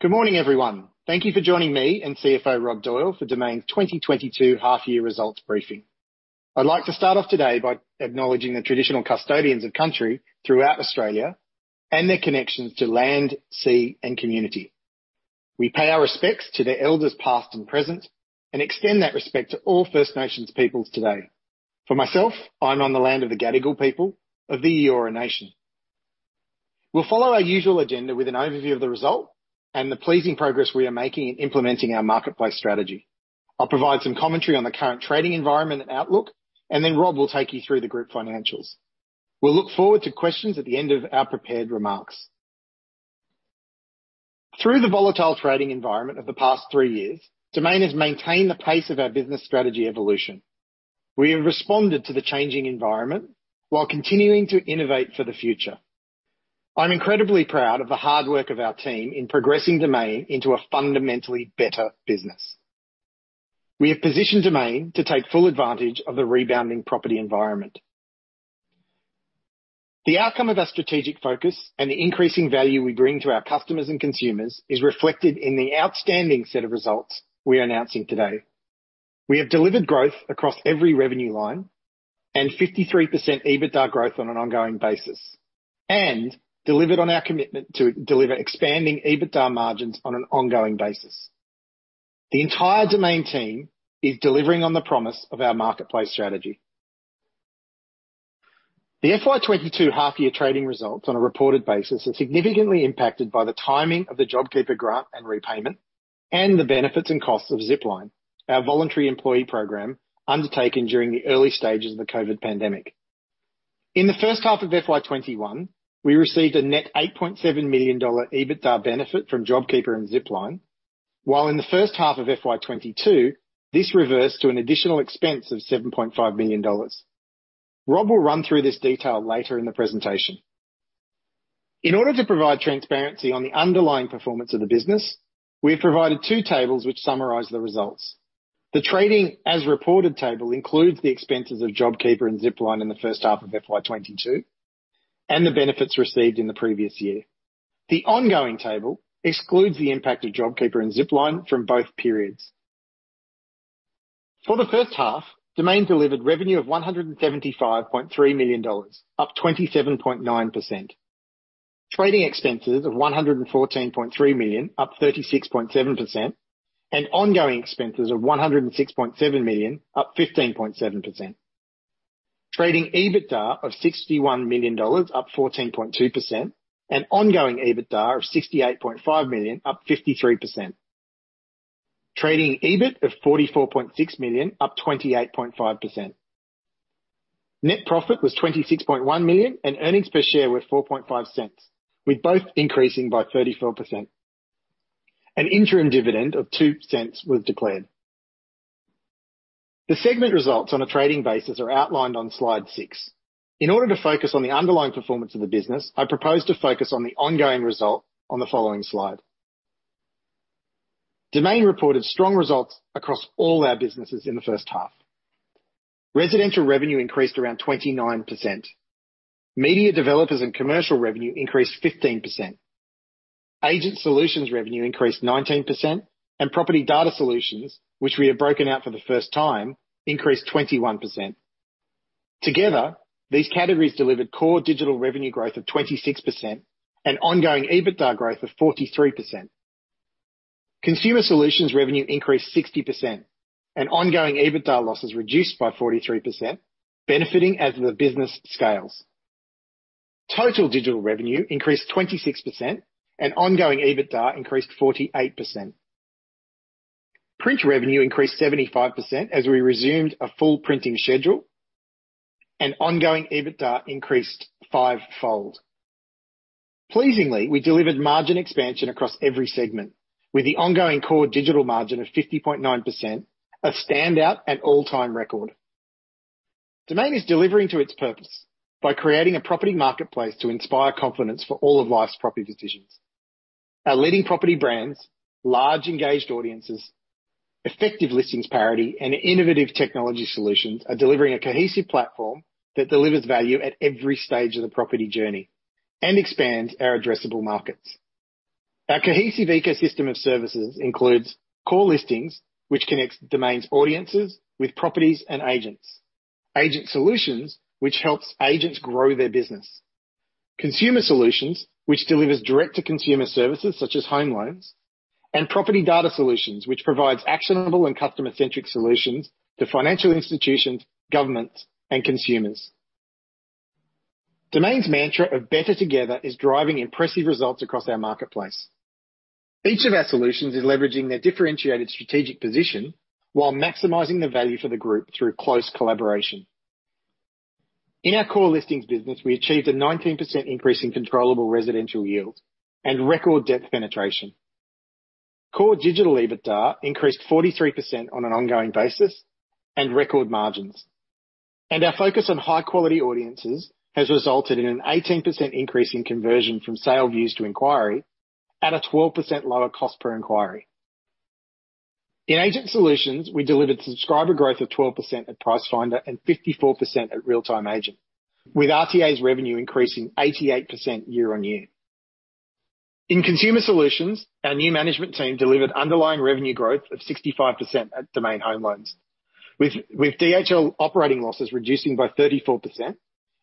Good morning, everyone. Thank you for joining me and CFO Robert Doyle for Domain's 2022 half-year results briefing. I'd like to start off today by acknowledging the traditional custodians of country throughout Australia and their connections to land, sea, and community. We pay our respects to their elders, past and present, and extend that respect to all First Nations peoples today. For myself, I'm on the land of the Gadigal people of the Eora Nation. We'll follow our usual agenda with an overview of the result and the pleasing progress we are making in implementing our marketplace strategy. I'll provide some commentary on the current trading environment and outlook, and then Robert will take you through the group financials. We'll look forward to questions at the end of our prepared remarks. Through the volatile trading environment of the past three years, Domain has maintained the pace of our business strategy evolution. We have responded to the changing environment while continuing to innovate for the future. I'm incredibly proud of the hard work of our team in progressing Domain into a fundamentally better business. We have positioned Domain to take full advantage of the rebounding property environment. The outcome of our strategic focus and the increasing value we bring to our customers and consumers is reflected in the outstanding set of results we are announcing today. We have delivered growth across every revenue line and 53% EBITDA growth on an ongoing basis, and delivered on our commitment to deliver expanding EBITDA margins on an ongoing basis. The entire Domain team is delivering on the promise of our marketplace strategy. The FY 2022 half-year trading results on a reported basis are significantly impacted by the timing of the JobKeeper grant and repayment and the benefits and costs of Zipline, our voluntary employee program undertaken during the early stages of the COVID pandemic. In the first half of FY 2021, we received a net 8.7 million EBITDA benefit from JobKeeper and Zipline, while in the first half of FY 2022, this reversed to an additional expense of 7.5 million dollars. Robert will run through this detail later in the presentation. In order to provide transparency on the underlying performance of the business, we have provided two tables which summarize the results. The trading as reported table includes the expenses of JobKeeper and Zipline in the first half of FY 2022 and the benefits received in the previous year. The ongoing table excludes the impact of JobKeeper and Zipline from both periods. For the first half, Domain delivered revenue of AUD 175.3 million, up 27.9%. Trading expenses of AUD 114.3 million, up 36.7%, and ongoing expenses of AUD 106.7 million, up 15.7%. Trading EBITDA of AUD 61 million, up 14.2%, and ongoing EBITDA of AUD 68.5 million, up 53%. Trading EBIT of 44.6 million, up 28.5%. Net profit was 26.1 million, and earnings per share were 0.045, with both increasing by 34%. An interim dividend of 0.02 was declared. The segment results on a trading basis are outlined on slide 6. In order to focus on the underlying performance of the business, I propose to focus on the ongoing result on the following slide. Domain reported strong results across all our businesses in the first half. Residential revenue increased around 29%. Media developers and commercial revenue increased 15%. Agent solutions revenue increased 19%, and property data solutions, which we have broken out for the first time, increased 21%. Together, these categories delivered core digital revenue growth of 26% and ongoing EBITDA growth of 43%. Consumer solutions revenue increased 60%, and ongoing EBITDA losses reduced by 43%, benefiting as the business scales. Total digital revenue increased 26% and ongoing EBITDA increased 48%. Print revenue increased 75% as we resumed a full printing schedule and ongoing EBITDA increased five-fold. Pleasingly, we delivered margin expansion across every segment with the ongoing core digital margin of 50.9%, a standout and all-time record. Domain is delivering to its purpose by creating a property marketplace to inspire confidence for all of life's property decisions. Our leading property brands, large engaged audiences, effective listings parity, and innovative technology solutions are delivering a cohesive platform that delivers value at every stage of the property journey and expands our addressable markets. Our cohesive ecosystem of services includes core listings, which connects Domain's audiences with properties and agents. Agent solutions, which helps agents grow their business. Consumer solutions, which delivers direct-to-consumer services such as home loans, and property data solutions, which provides actionable and customer-centric solutions to financial institutions, governments, and consumers. Domain's mantra of better together is driving impressive results across our marketplace. Each of our solutions is leveraging their differentiated strategic position while maximizing the value for the group through close collaboration. In our core listings business, we achieved a 19% increase in controllable residential yield and record depth penetration. Core digital EBITDA increased 43% on an ongoing basis and record margins. Our focus on high-quality audiences has resulted in an 18% increase in conversion from sale views to inquiry at a 12% lower cost per inquiry. In agent solutions, we delivered subscriber growth of 12% at Pricefinder and 54% at Real Time Agent, with RTA's revenue increasing 88% year-on-year. In consumer solutions, our new management team delivered underlying revenue growth of 65% at Domain Home Loans. With DHL operating losses reducing by 34%,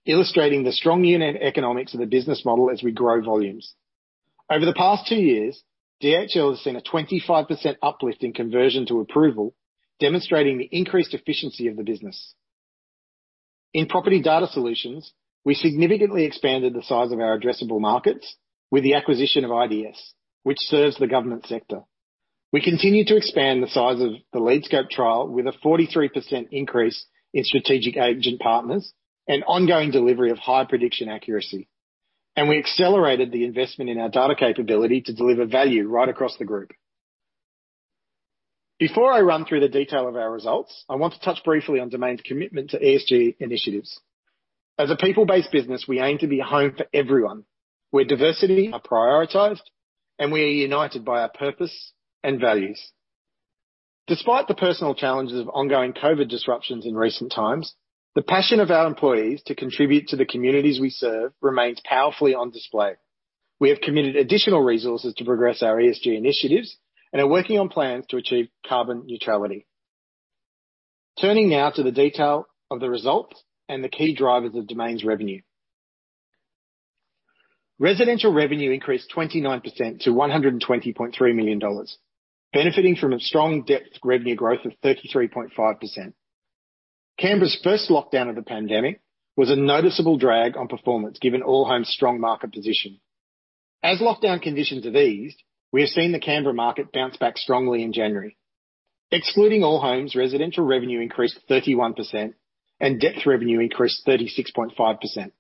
illustrating the strong unit economics of the business model as we grow volumes. Over the past two years, DHL has seen a 25% uplift in conversion to approval, demonstrating the increased efficiency of the business. In property data solutions, we significantly expanded the size of our addressable markets with the acquisition of IDS, which serves the government sector. We continue to expand the size of the LeadScope trial with a 43% increase in strategic agent partners and ongoing delivery of high prediction accuracy. We accelerated the investment in our data capability to deliver value right across the group. Before I run through the detail of our results, I want to touch briefly on Domain's commitment to ESG initiatives. As a people-based business, we aim to be a home for everyone, where diversity are prioritized, and we are united by our purpose and values. Despite the personal challenges of ongoing COVID disruptions in recent times, the passion of our employees to contribute to the communities we serve remains powerfully on display. We have committed additional resources to progress our ESG initiatives and are working on plans to achieve carbon neutrality. Turning now to the detail of the results and the key drivers of Domain's revenue. Residential revenue increased 29% to 120.3 million dollars, benefiting from a strong depth revenue growth of 33.5%. Canberra's first lockdown of the pandemic was a noticeable drag on performance, given Allhomes' strong market position. As lockdown conditions have eased, we have seen the Canberra market bounce back strongly in January. Excluding Allhomes, residential revenue increased 31% and depth revenue increased 36.5%.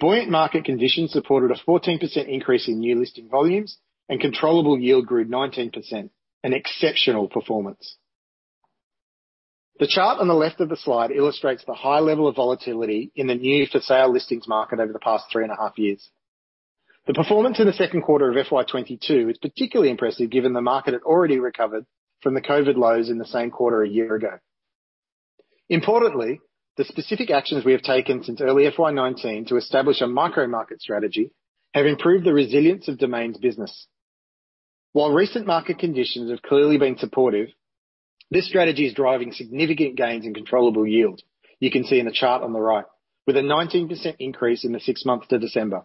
Buoyant market conditions supported a 14% increase in new listing volumes, and controllable yield grew 19%, an exceptional performance. The chart on the left of the slide illustrates the high level of volatility in the new for sale listings market over the past three and a half years. The performance in the second quarter of FY 2022 is particularly impressive given the market had already recovered from the COVID lows in the same quarter a year ago. Importantly, the specific actions we have taken since early FY 2019 to establish a micro market strategy have improved the resilience of Domain's business. While recent market conditions have clearly been supportive, this strategy is driving significant gains in controllable yield. You can see in the chart on the right, with a 19% increase in the six months to December.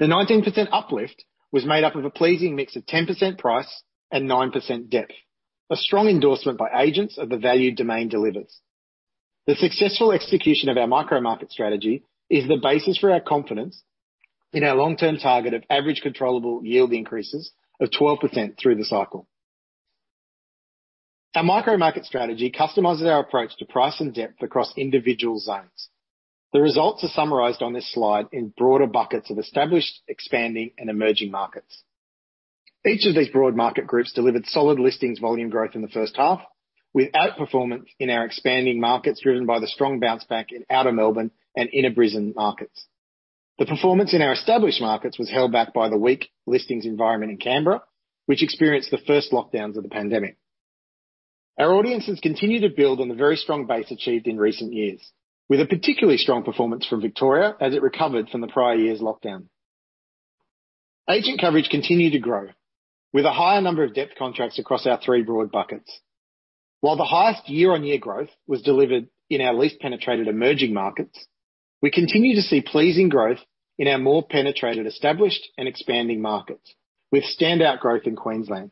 The 19% uplift was made up of a pleasing mix of 10% price and 9% depth. A strong endorsement by agents of the value Domain delivers. The successful execution of our micro market strategy is the basis for our confidence in our long-term target of average controllable yield increases of 12% through the cycle. Our micro market strategy customizes our approach to price and depth across individual zones. The results are summarized on this slide in broader buckets of established, expanding, and emerging markets. Each of these broad market groups delivered solid listings volume growth in the first half, with outperformance in our expanding markets, driven by the strong bounce back in outer Melbourne and inner Brisbane markets. The performance in our established markets was held back by the weak listings environment in Canberra, which experienced the first lockdowns of the pandemic. Our audiences continue to build on the very strong base achieved in recent years, with a particularly strong performance from Victoria as it recovered from the prior year's lockdown. Agent coverage continued to grow, with a higher number of depth contracts across our three broad buckets. While the highest year-on-year growth was delivered in our least penetrated emerging markets, we continue to see pleasing growth in our more penetrated, established, and expanding markets, with standout growth in Queensland.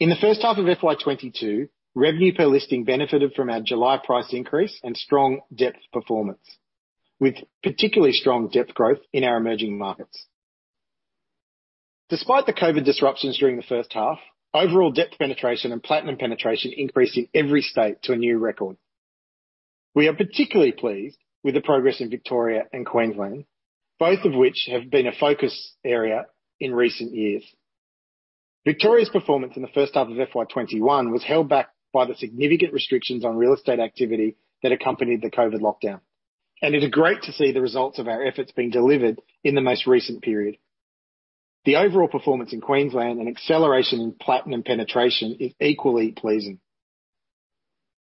In the first half of FY 2022, revenue per listing benefited from our July price increase and strong depth performance, with particularly strong depth growth in our emerging markets. Despite the COVID disruptions during the first half, overall depth penetration and Platinum penetration increased in every state to a new record. We are particularly pleased with the progress in Victoria and Queensland, both of which have been a focus area in recent years. Victoria's performance in the first half of FY 2021 was held back by the significant restrictions on real estate activity that accompanied the COVID lockdown. It is great to see the results of our efforts being delivered in the most recent period. The overall performance in Queensland and acceleration in Platinum penetration is equally pleasing.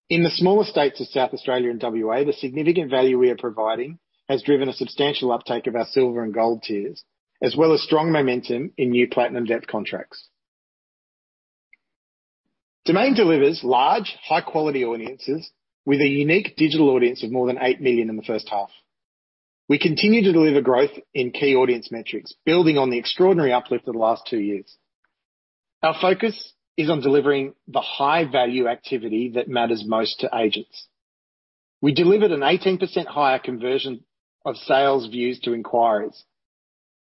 In the smaller states of South Australia and WA, the significant value we are providing has driven a substantial uptake of our Silver and Gold tiers, as well as strong momentum in new Platinum depth contracts. Domain delivers large, high-quality audiences with a unique digital audience of more than 8 million in the first half. We continue to deliver growth in key audience metrics, building on the extraordinary uplift of the last two years. Our focus is on delivering the high-value activity that matters most to agents. We delivered an 18% higher conversion of sales views to inquiries.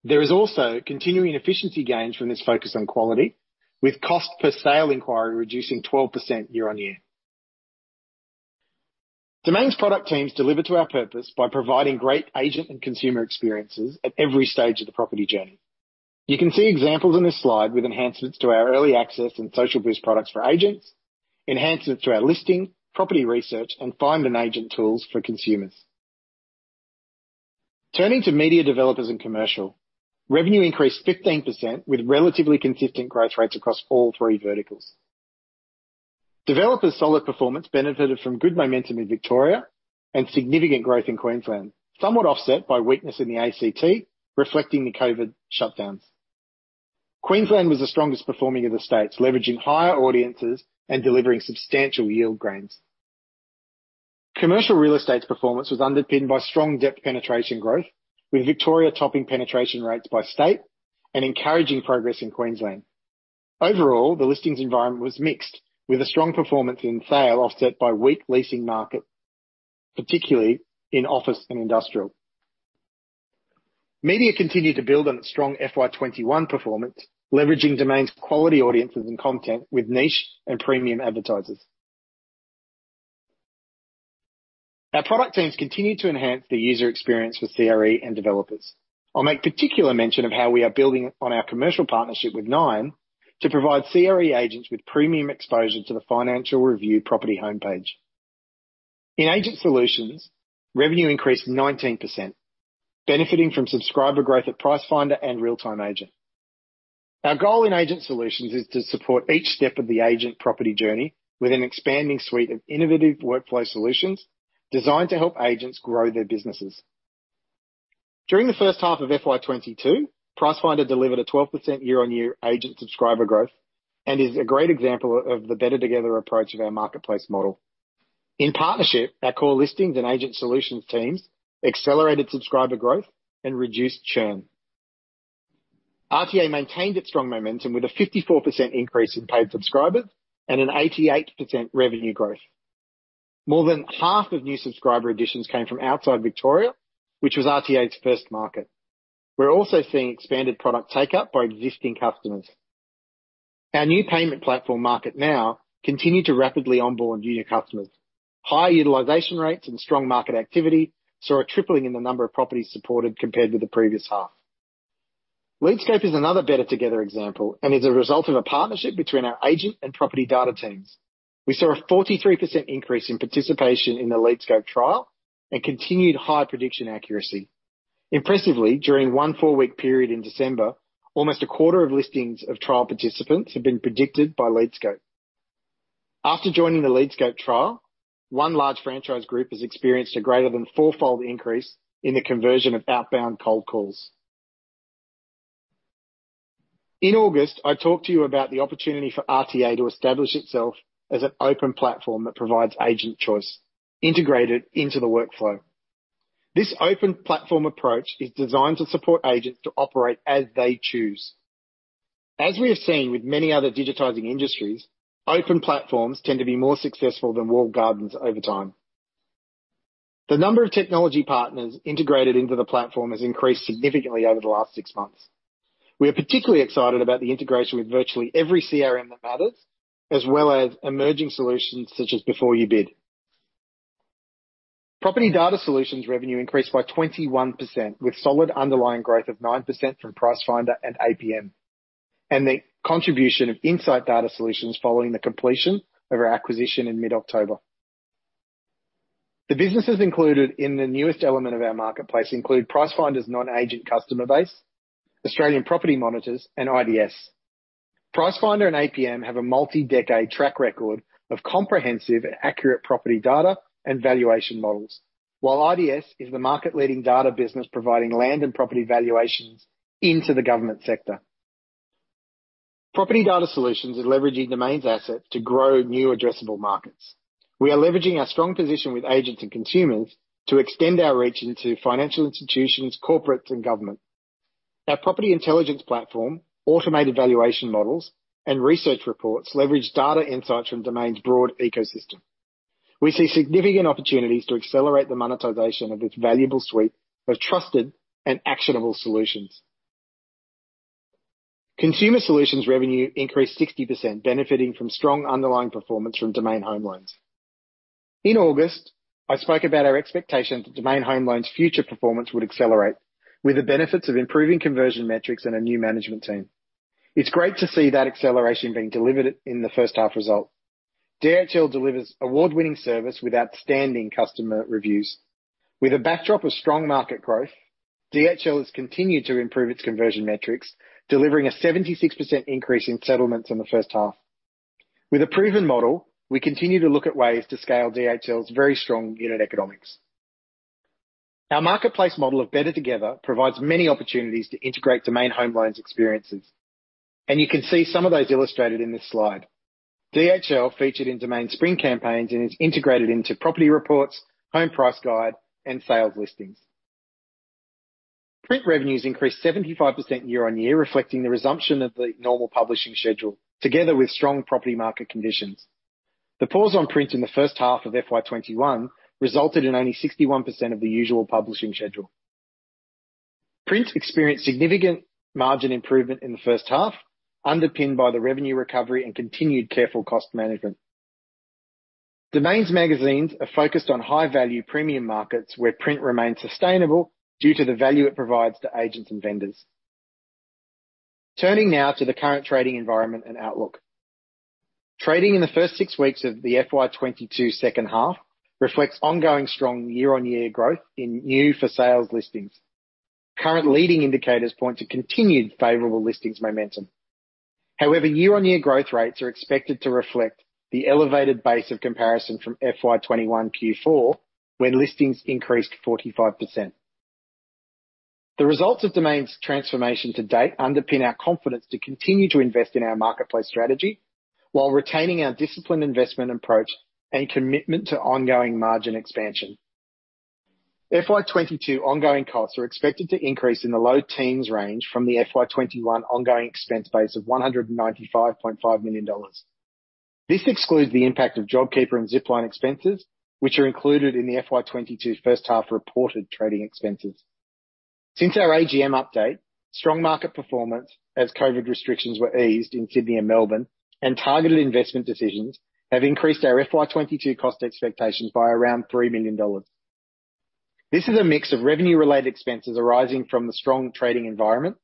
There is also continuing efficiency gains from this focus on quality, with cost per sale inquiry reducing 12% year-on-year. Domain's product teams deliver to our purpose by providing great agent and consumer experiences at every stage of the property journey. You can see examples on this slide with enhancements to our Early Access and Social Boost products for agents, enhancements to our listing, property research, and find an agent tools for consumers. Turning to media developers and commercial. Revenue increased 15% with relatively consistent growth rates across all three verticals. Developers' solid performance benefited from good momentum in Victoria and significant growth in Queensland, somewhat offset by weakness in the ACT, reflecting the COVID shutdowns. Queensland was the strongest performing of the states, leveraging higher audiences and delivering substantial yield gains. Commercial real estate's performance was underpinned by strong depth penetration growth, with Victoria topping penetration rates by state and encouraging progress in Queensland. Overall, the listings environment was mixed, with a strong performance in sale offset by weak leasing market, particularly in office and industrial. Media continued to build on its strong FY 2021 performance, leveraging Domain's quality audiences and content with niche and premium advertisers. Our product teams continue to enhance the user experience for CRE and developers. I'll make particular mention of how we are building on our commercial partnership with Nine to provide CRE agents with premium exposure to the Financial Review property homepage. In agent solutions, revenue increased 19%, benefiting from subscriber growth at Pricefinder and Real Time Agent. Our goal in agent solutions is to support each step of the agent property journey with an expanding suite of innovative workflow solutions designed to help agents grow their businesses. During the first half of FY 2022, Pricefinder delivered a 12% year-on-year agent subscriber growth and is a great example of the better together approach of our marketplace model. In partnership, our core listings and agent solutions teams accelerated subscriber growth and reduced churn. RTA maintained its strong momentum with a 54% increase in paid subscribers and an 88% revenue growth. More than half of new subscriber additions came from outside Victoria, which was RTA's first market. We're also seeing expanded product take up by existing customers. Our new payment platform, MarketNow, continued to rapidly onboard new customers. High utilization rates and strong market activity saw a tripling in the number of properties supported compared with the previous half. LeadScope is another better together example and is a result of a partnership between our agent and property data teams. We saw a 43% increase in participation in the LeadScope trial and continued high prediction accuracy. Impressively, during one 4-week period in December, almost a quarter of listings of trial participants have been predicted by LeadScope. After joining the LeadScope trial, one large franchise group has experienced a greater than 4-fold increase in the conversion of outbound cold calls. In August, I talked to you about the opportunity for RTA to establish itself as an open platform that provides agent choice integrated into the workflow. This open platform approach is designed to support agents to operate as they choose. As we have seen with many other digitizing industries, open platforms tend to be more successful than walled gardens over time. The number of technology partners integrated into the platform has increased significantly over the last six months. We are particularly excited about the integration with virtually every CRM that matters, as well as emerging solutions such as Before You Bid. Property data solutions revenue increased by 21%, with solid underlying growth of 9% from Pricefinder and APM, and the contribution of Insight Data Solutions following the completion of our acquisition in mid-October. The businesses included in the newest element of our marketplace include Pricefinder's non-agent customer base, Australian Property Monitors, and IDS. Pricefinder and APM have a multi-decade track record of comprehensive and accurate property data and valuation models. While IDS is the market-leading data business providing land and property valuations into the government sector. Property data solutions is leveraging Domain's assets to grow new addressable markets. We are leveraging our strong position with agents and consumers to extend our reach into financial institutions, corporates, and government. Our property intelligence platform, automated valuation models, and research reports leverage data insights from Domain's broad ecosystem. We see significant opportunities to accelerate the monetization of this valuable suite of trusted and actionable solutions. Consumer Solutions revenue increased 60%, benefiting from strong underlying performance from Domain Home Loans. In August, I spoke about our expectation that Domain Home Loans' future performance would accelerate with the benefits of improving conversion metrics and a new management team. It's great to see that acceleration being delivered in the first half result. DHL delivers award-winning service with outstanding customer reviews. With a backdrop of strong market growth, DHL has continued to improve its conversion metrics, delivering a 76% increase in settlements in the first half. With a proven model, we continue to look at ways to scale DHL's very strong unit economics. Our marketplace model of Better Together provides many opportunities to integrate Domain Home Loans experiences, and you can see some of those illustrated in this slide. DHL featured in Domain spring campaigns and is integrated into property reports, Home Price Guide, and sales listings. Print revenues increased 75% year-on-year, reflecting the resumption of the normal publishing schedule, together with strong property market conditions. The pause on print in the first half of FY 2021 resulted in only 61% of the usual publishing schedule. Print experienced significant margin improvement in the first half, underpinned by the revenue recovery and continued careful cost management. Domain's magazines are focused on high-value premium markets, where print remains sustainable due to the value it provides to agents and vendors. Turning now to the current trading environment and outlook. Trading in the first six weeks of the FY 2022 second half reflects ongoing strong year-on-year growth in new for sales listings. Current leading indicators point to continued favorable listings momentum. However, year-on-year growth rates are expected to reflect the elevated base of comparison from FY 2021, Q4, when listings increased 45%. The results of Domain's transformation to date underpin our confidence to continue to invest in our marketplace strategy while retaining our disciplined investment approach and commitment to ongoing margin expansion. FY 2022 ongoing costs are expected to increase in the low teens range from the FY 2021 ongoing expense base of 195.5 million dollars. This excludes the impact of JobKeeper and Zipline expenses, which are included in the FY 2022 first half reported trading expenses. Since our AGM update, strong market performance, as COVID restrictions were eased in Sydney and Melbourne, and targeted investment decisions have increased our FY 2022 cost expectations by around 3 million dollars. This is a mix of revenue-related expenses arising from the strong trading environment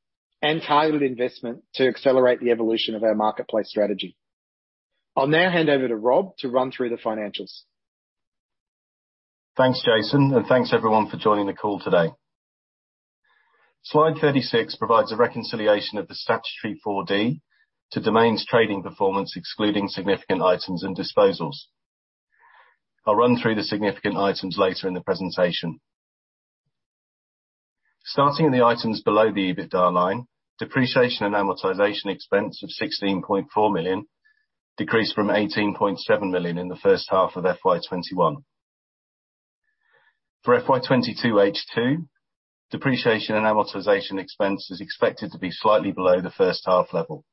and targeted investment to accelerate the evolution of our marketplace strategy. I'll now hand over to Robert to run through the financials. Thanks, Jason, and thanks everyone for joining the call today. Slide 36 provides a reconciliation of the statutory Appendix 4D to Domain's trading performance, excluding significant items and disposals. I'll run through the significant items later in the presentation. Starting in the items below the EBITDA line, depreciation and amortization expense of 16.4 million decreased from 18.7 million in the first half of FY 2021. For FY 2022, H2, depreciation and amortization expense is expected to be slightly below the first half level.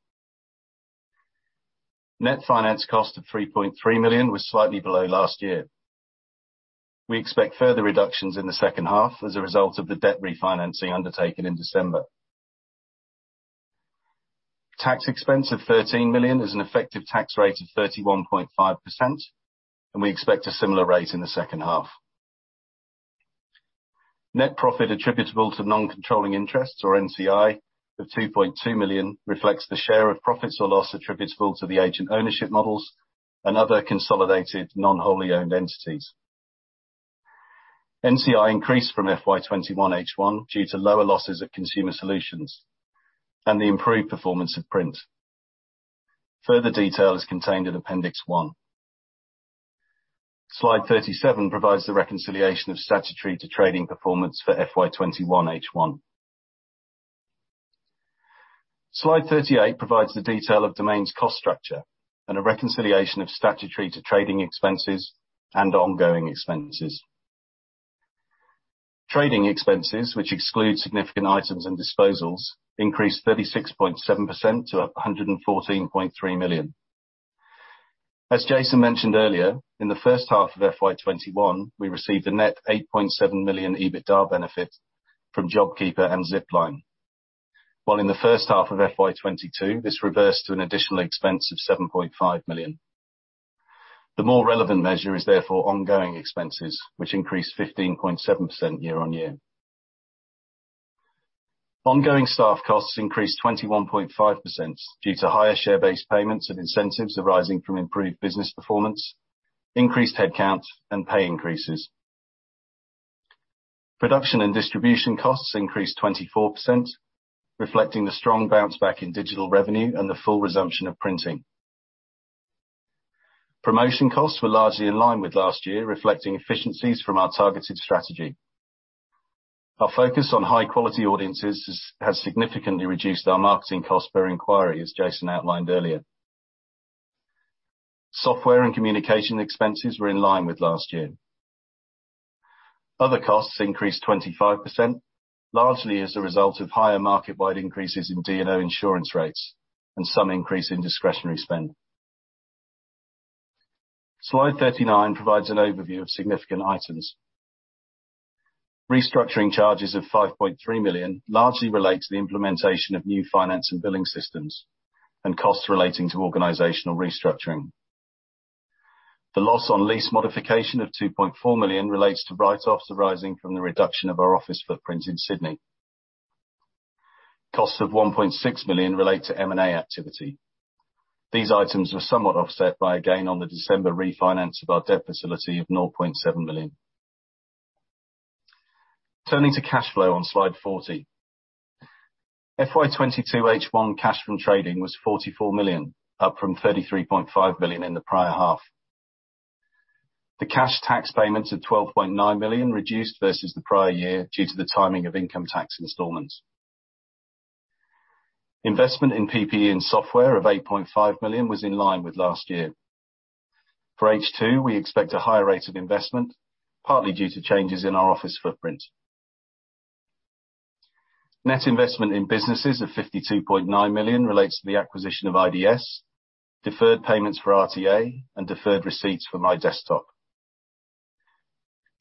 Net finance cost of 3.3 million was slightly below last year. We expect further reductions in the second half as a result of the debt refinancing undertaken in December. Tax expense of 13 million is an effective tax rate of 31.5%, and we expect a similar rate in the second half. Net profit attributable to non-controlling interests, or NCI, of 2.2 million, reflects the share of profits or loss attributable to the agent ownership models and other consolidated non-wholly owned entities. NCI increased from FY 2021 H1 due to lower losses of consumer solutions and the improved performance of print. Further detail is contained in Appendix One. Slide 37 provides the reconciliation of statutory to trading performance for FY 2021 H1. Slide 38 provides the detail of Domain's cost structure and a reconciliation of statutory to trading expenses and ongoing expenses. Trading expenses, which exclude significant items and disposals, increased 36.7% to 114.3 million. As Jason mentioned earlier, in the first half of FY 2021, we received a net 8.7 million EBITDA benefit from JobKeeper and Zipline. While in the first half of FY 2022, this reversed to an additional expense of 7.5 million. The more relevant measure is therefore ongoing expenses, which increased 15.7% year-on-year. Ongoing staff costs increased 21.5% due to higher share-based payments and incentives arising from improved business performance, increased headcount, and pay increases. Production and distribution costs increased 24%, reflecting the strong bounce back in digital revenue and the full resumption of printing. Promotion costs were largely in line with last year, reflecting efficiencies from our targeted strategy. Our focus on high-quality audiences has significantly reduced our marketing cost per inquiry, as Jason outlined earlier. Software and communication expenses were in line with last year. Other costs increased 25%, largely as a result of higher market-wide increases in D&O insurance rates and some increase in discretionary spend. Slide 39 provides an overview of significant items. Restructuring charges of 5.3 million largely relate to the implementation of new finance and billing systems and costs relating to organizational restructuring. The loss on lease modification of 2.4 million relates to write-offs arising from the reduction of our office footprint in Sydney. Costs of 1.6 million relate to M&A activity. These items were somewhat offset by a gain on the December refinance of our debt facility of 0.7 million. Turning to cash flow on slide 40. FY 2022 H1 cash from trading was 44 million, up from 33.5 million in the prior half. The cash tax payments of 12.9 million reduced versus the prior year due to the timing of income tax installments. Investment in PPE and software of 8.5 million was in line with last year. For H2, we expect a higher rate of investment, partly due to changes in our office footprint. Net investment in businesses of 52.9 million relates to the acquisition of IDS, deferred payments for RTA, and deferred receipts for iDesktop.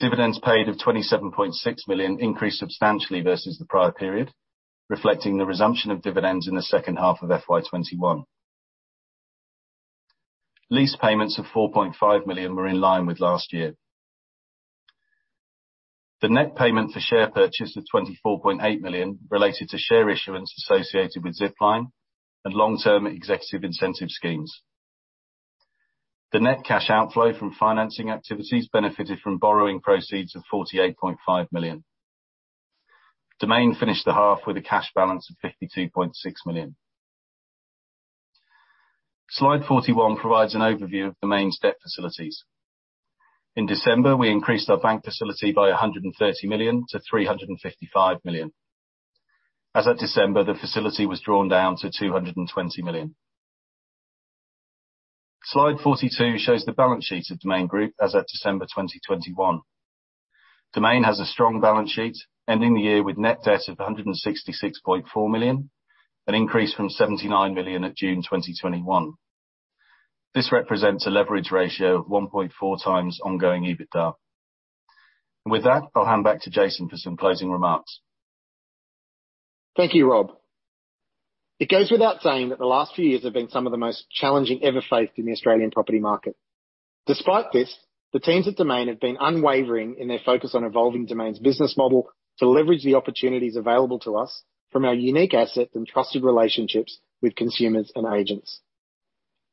Dividends paid of 27.6 million increased substantially versus the prior period, reflecting the resumption of dividends in the second half of FY 2021. Lease payments of 4.5 million were in line with last year. The net payment for share purchase of 24.8 million related to share issuance associated with Zipline and long-term executive incentive schemes. The net cash outflow from financing activities benefited from borrowing proceeds of 48.5 million. Domain finished the half with a cash balance of 52.6 million. Slide 41 provides an overview of Domain's debt facilities. In December, we increased our bank facility by 130 million to 355 million. As of December, the facility was drawn down to 220 million. Slide 42 shows the balance sheet of Domain Group as of December 2021. Domain has a strong balance sheet, ending the year with net debt of 166.4 million, an increase from 79 million at June 2021. This represents a leverage ratio of 1.4 times ongoing EBITDA. With that, I'll hand back to Jason for some closing remarks. Thank you, Robert. It goes without saying that the last few years have been some of the most challenging ever faced in the Australian property market. Despite this, the teams at Domain have been unwavering in their focus on evolving Domain's business model to leverage the opportunities available to us from our unique assets and trusted relationships with consumers and agents.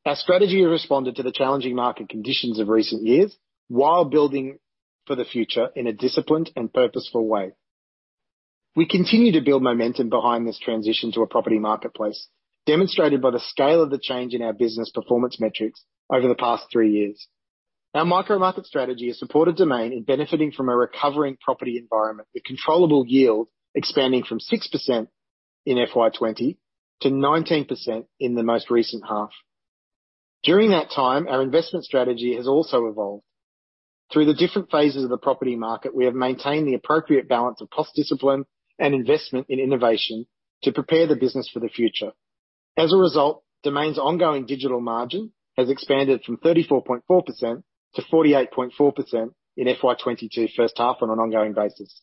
Our strategy responded to the challenging market conditions of recent years while building for the future in a disciplined and purposeful way. We continue to build momentum behind this transition to a property marketplace, demonstrated by the scale of the change in our business performance metrics over the past three years. Our micro market strategy has supported Domain in benefiting from a recovering property environment, with controllable yield expanding from 6% in FY 2020 to 19% in the most recent half. During that time, our investment strategy has also evolved. Through the different phases of the property market, we have maintained the appropriate balance of cost discipline and investment in innovation to prepare the business for the future. As a result, Domain's ongoing digital margin has expanded from 34.4% to 48.4% in FY 2022 first half on an ongoing basis.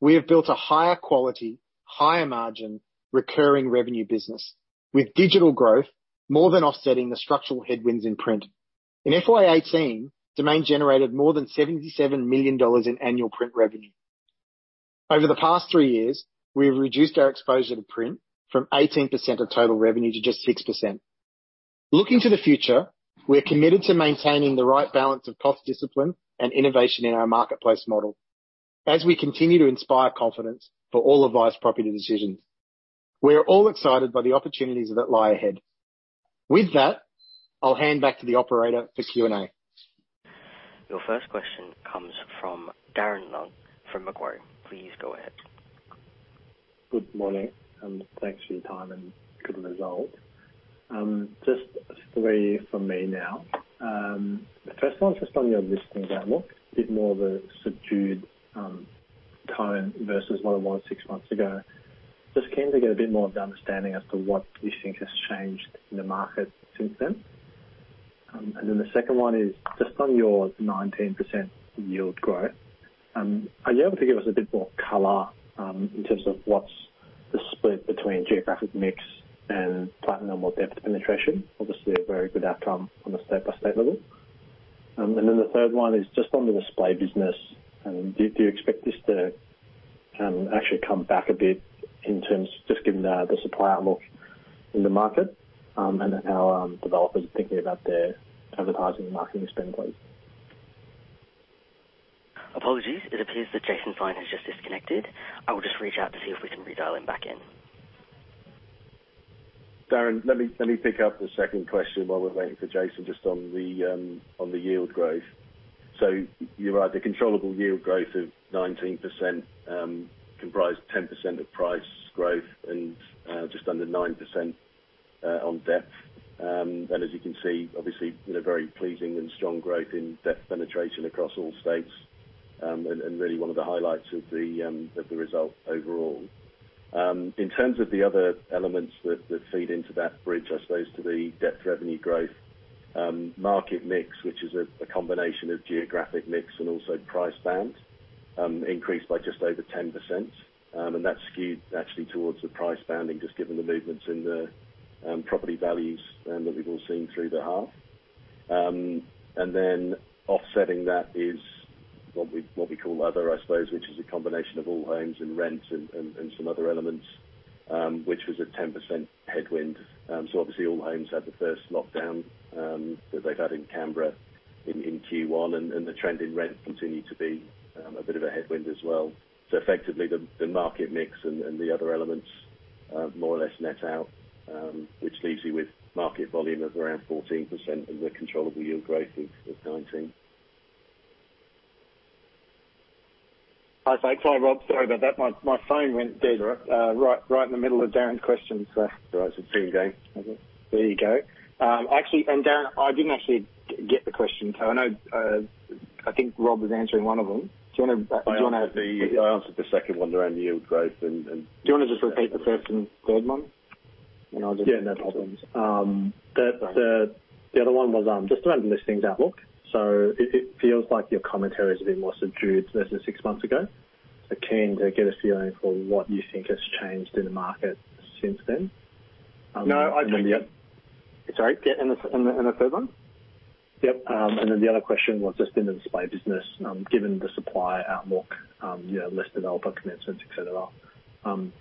We have built a higher quality, higher margin, recurring revenue business with digital growth more than offsetting the structural headwinds in print. In FY 2018, Domain generated more than 77 million dollars in annual print revenue. Over the past three years, we have reduced our exposure to print from 18% of total revenue to just 6%. Looking to the future, we are committed to maintaining the right balance of cost discipline and innovation in our marketplace model as we continue to inspire confidence for all of life's property decisions. We are all excited by the opportunities that lie ahead. With that, I'll hand back to the operator for Q&A. Your first question comes from Darren Leung from Macquarie. Please go ahead. Good morning, and thanks for your time and good result. Just three from me now. The first one's just on your listings outlook, a bit more of a subdued tone versus what it was six months ago. Just keen to get a bit more of an understanding as to what you think has changed in the market since then. The second one is just on your 19% yield growth. Are you able to give us a bit more color in terms of what's the split between geographic mix and platform or depth penetration? Obviously a very good outcome from a state-by-state level. The third one is just on the display business. Do you expect this to actually come back a bit in terms just given the supply outlook in the market and how developers are thinking about their advertising and marketing spend please? Apologies. It appears that Jason Pellegrino has just disconnected. I will just reach out to see if we can redial him back in. Darren, let me pick up the second question while we're waiting for Jason just on the yield growth. You're right, the controllable yield growth of 19%, comprised 10% of price growth and just under 9% on depth. As you can see, obviously, you know, very pleasing and strong growth in depth penetration across all states, and really one of the highlights of the result overall. In terms of the other elements that feed into that bridge, I suppose, to the depth revenue growth, market mix, which is a combination of geographic mix and also price band, increased by just over 10%. That's skewed actually towards the price banding just given the movements in the property values that we've all seen through the half. Then offsetting that is what we call other, I suppose, which is a combination of Allhomes and rent and some other elements, which was a 10% headwind. Obviously Allhomes had the first lockdown that they've had in Canberra in Q1, and the trend in rent continued to be a bit of a headwind as well. Effectively the market mix and the other elements more or less net out, which leaves you with market volume of around 14% of the controllable yield growth of 19. Hi, thanks. Hi, Robert. Sorry about that. My phone went dead. It's all right. Right in the middle of Darren's question, so. All right. It's all good then. There you go. Actually, Darren, I didn't actually get the question, so I know, I think Robert was answering one of them. Do you wanna- I answered the second one around the yield growth and Do you wanna just repeat the first and third one? I'll just. Yeah, no problems. The other one was just around the listings outlook. It feels like your commentary is a bit more subdued versus six months ago. Keen to get a feeling for what you think has changed in the market since then. No, I- Yeah Sorry. Yeah, in the third one? Yep. The other question was just in the display business, given the supply outlook, you know, less developer commitments, et cetera,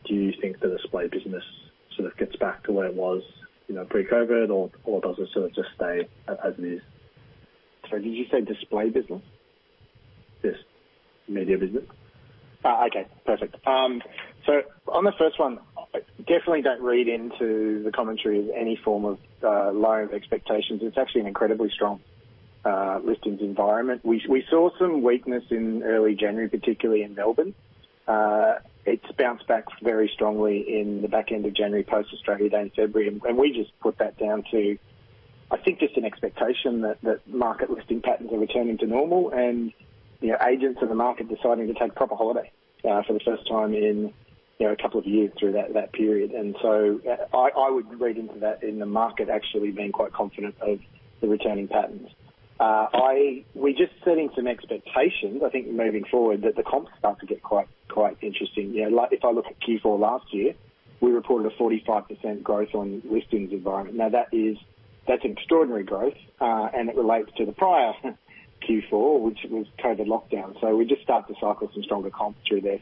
do you think the display business sort of gets back to where it was, you know, pre-COVID or does it sort of just stay as is? Sorry, did you say display business? Yes. Media business. Okay. Perfect. So on the first one, I definitely don't read into the commentary as any form of low expectations. It's actually an incredibly strong listings environment. We saw some weakness in early January, particularly in Melbourne. It's bounced back very strongly in the back end of January post-Australia Day and February. We just put that down to, I think, just an expectation that market listing patterns are returning to normal and, you know, agents of the market deciding to take proper holiday for the first time in, you know, a couple of years through that period. I would read into that in the market actually being quite confident of the returning patterns. We're just setting some expectations, I think moving forward, that the comps are gonna get quite interesting. You know, like if I look at Q4 last year, we reported a 45% growth on listings environment. Now that is, that's extraordinary growth, and it relates to the prior Q4, which was COVID lockdown. We just start to cycle some stronger comps through there.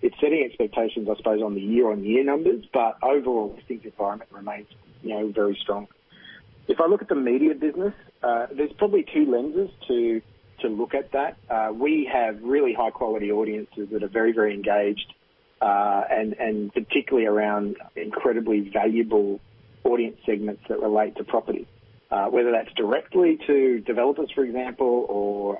It's setting expectations, I suppose, on the year-on-year numbers, but overall listings environment remains, you know, very strong. If I look at the media business, there's probably two lenses to look at that. We have really high quality audiences that are very, very engaged, and particularly around incredibly valuable audience segments that relate to property, whether that's directly to developers, for example, or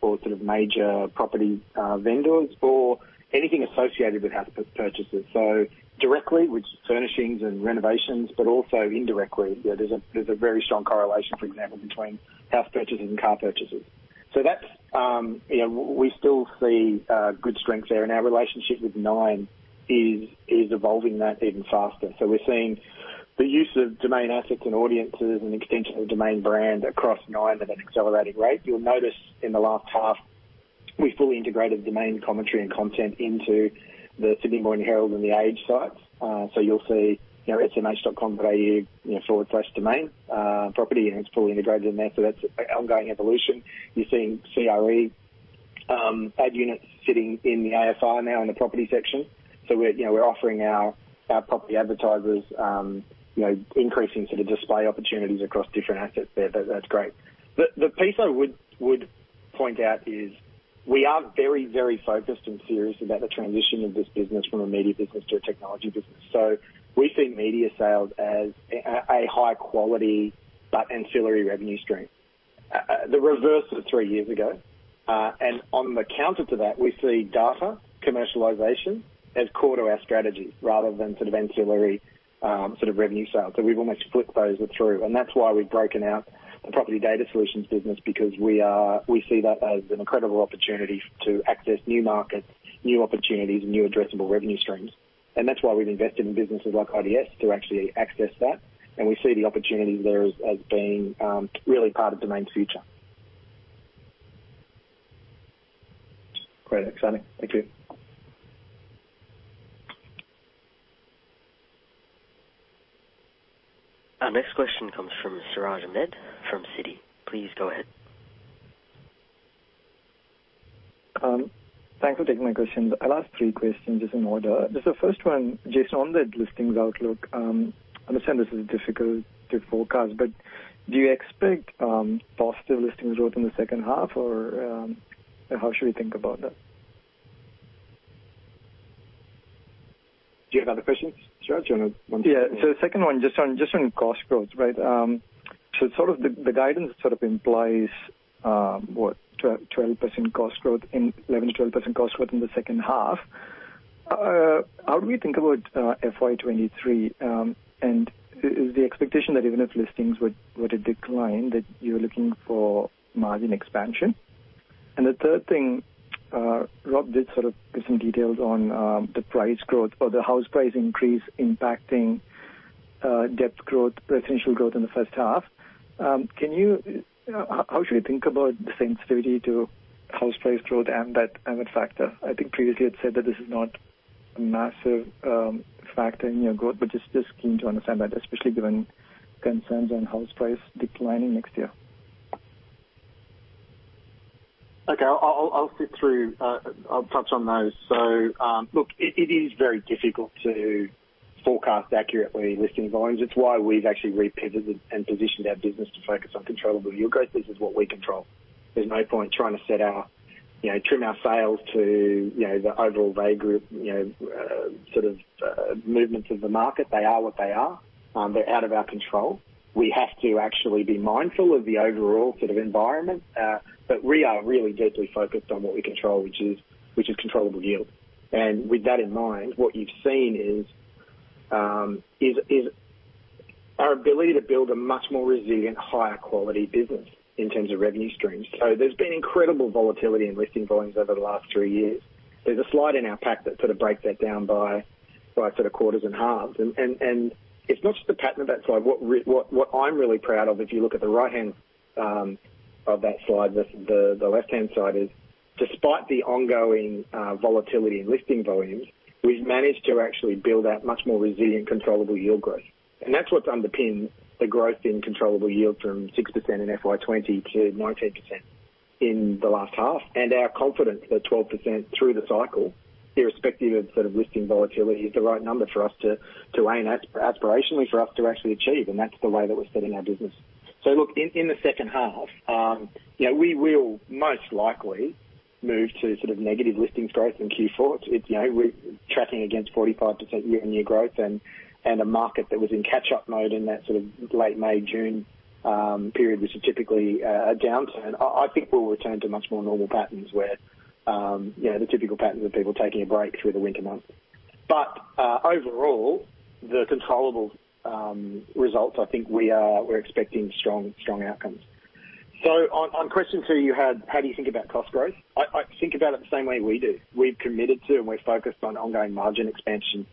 sort of major property vendors or anything associated with house purchases. Directly with furnishings and renovations, but also indirectly. You know, there's a very strong correlation, for example, between house purchases and car purchases. That's, you know, we still see good strength there and our relationship with Nine is evolving that even faster. We're seeing the use of Domain assets and audiences and extension of Domain brand across Nine at an accelerating rate. You'll notice in the last half, we fully integrated Domain commentary and content into the Sydney Morning Herald and The Age sites. You'll see, you know, smh.com.au/domain/property, and it's fully integrated in there. That's ongoing evolution. You're seeing CRE ad units sitting in the ASI now in the property section. We're, you know, we're offering our property advertisers, you know, increasing sort of display opportunities across different assets there. That's great. The piece I would point out is we are very focused and serious about the transition of this business from a media business to a technology business. We see media sales as a high quality but ancillary revenue stream, the reverse of three years ago. On the counter to that, we see data commercialization as core to our strategy rather than sort of ancillary, sort of revenue sales. We've almost flipped those through, and that's why we've broken out the property data solutions business because we see that as an incredible opportunity to access new markets, new opportunities, and new addressable revenue streams. That's why we've invested in businesses like IDS to actually access that. We see the opportunities there as being really part of Domain's future. Great. Exciting. Thank you. Our next question comes from Suraj Nebhani from Citi. Please go ahead. Thanks for taking my question. I'll ask three questions just in order. Just the first one, Jason, on the listings outlook, I understand this is difficult to forecast, but do you expect positive listings growth in the second half or how should we think about that? Do you have other questions, Suraj? Do you wanna bundle- Yeah. The second one, just on cost growth, right? The guidance implies 11%-12% cost growth in the second half. How do we think about FY 2023, and is the expectation that even if listings were to decline, that you're looking for margin expansion? The third thing, Robert did sort of give some details on the price growth or the house price increase impacting debt growth, potential growth in the first half. How should we think about the sensitivity to house price growth and that ARPU factor? I think previously you had said that this is not a massive factor in your growth, but just keen to understand that, especially given concerns on house price declining next year. Okay. I'll skip through. I'll touch on those. Look, it is very difficult to forecast accurately listing volumes. It's why we've actually repivoted and positioned our business to focus on controllable yield growth. This is what we control. There's no point trying to set our, you know, trim our sails to, you know, the overall REA Group, you know, sort of, movements of the market. They are what they are. They're out of our control. We have to actually be mindful of the overall sort of environment, but we are really deeply focused on what we control, which is controllable yield. With that in mind, what you've seen is our ability to build a much more resilient, higher quality business in terms of revenue streams. There's been incredible volatility in listing volumes over the last three years. There's a slide in our pack that sort of breaks that down by sort of quarters and halves. It's not just the pattern of that slide. What I'm really proud of, if you look at the right-hand side of that slide, the left-hand side is. Despite the ongoing volatility in listing volumes, we've managed to actually build that much more resilient controllable yield growth. That's what's underpinned the growth in controllable yield from 6% in FY 2020 to 19% in the last half. Our confidence at 12% through the cycle, irrespective of sort of listing volatility, is the right number for us to aim at aspirationally for us to actually achieve. That's the way that we're setting our business. Look, in the second half, we will most likely move to sort of negative listings growth in Q4. You know, we're tracking against 45% year-on-year growth and a market that was in catch-up mode in that sort of late May, June period, which is typically a downturn. I think we'll return to much more normal patterns where you know, the typical patterns of people taking a break through the winter months. Overall, the controllable results, I think we're expecting strong outcomes. On question two you had, how do you think about cost growth? I think about it the same way we do. We've committed to, and we're focused on ongoing margin expansion,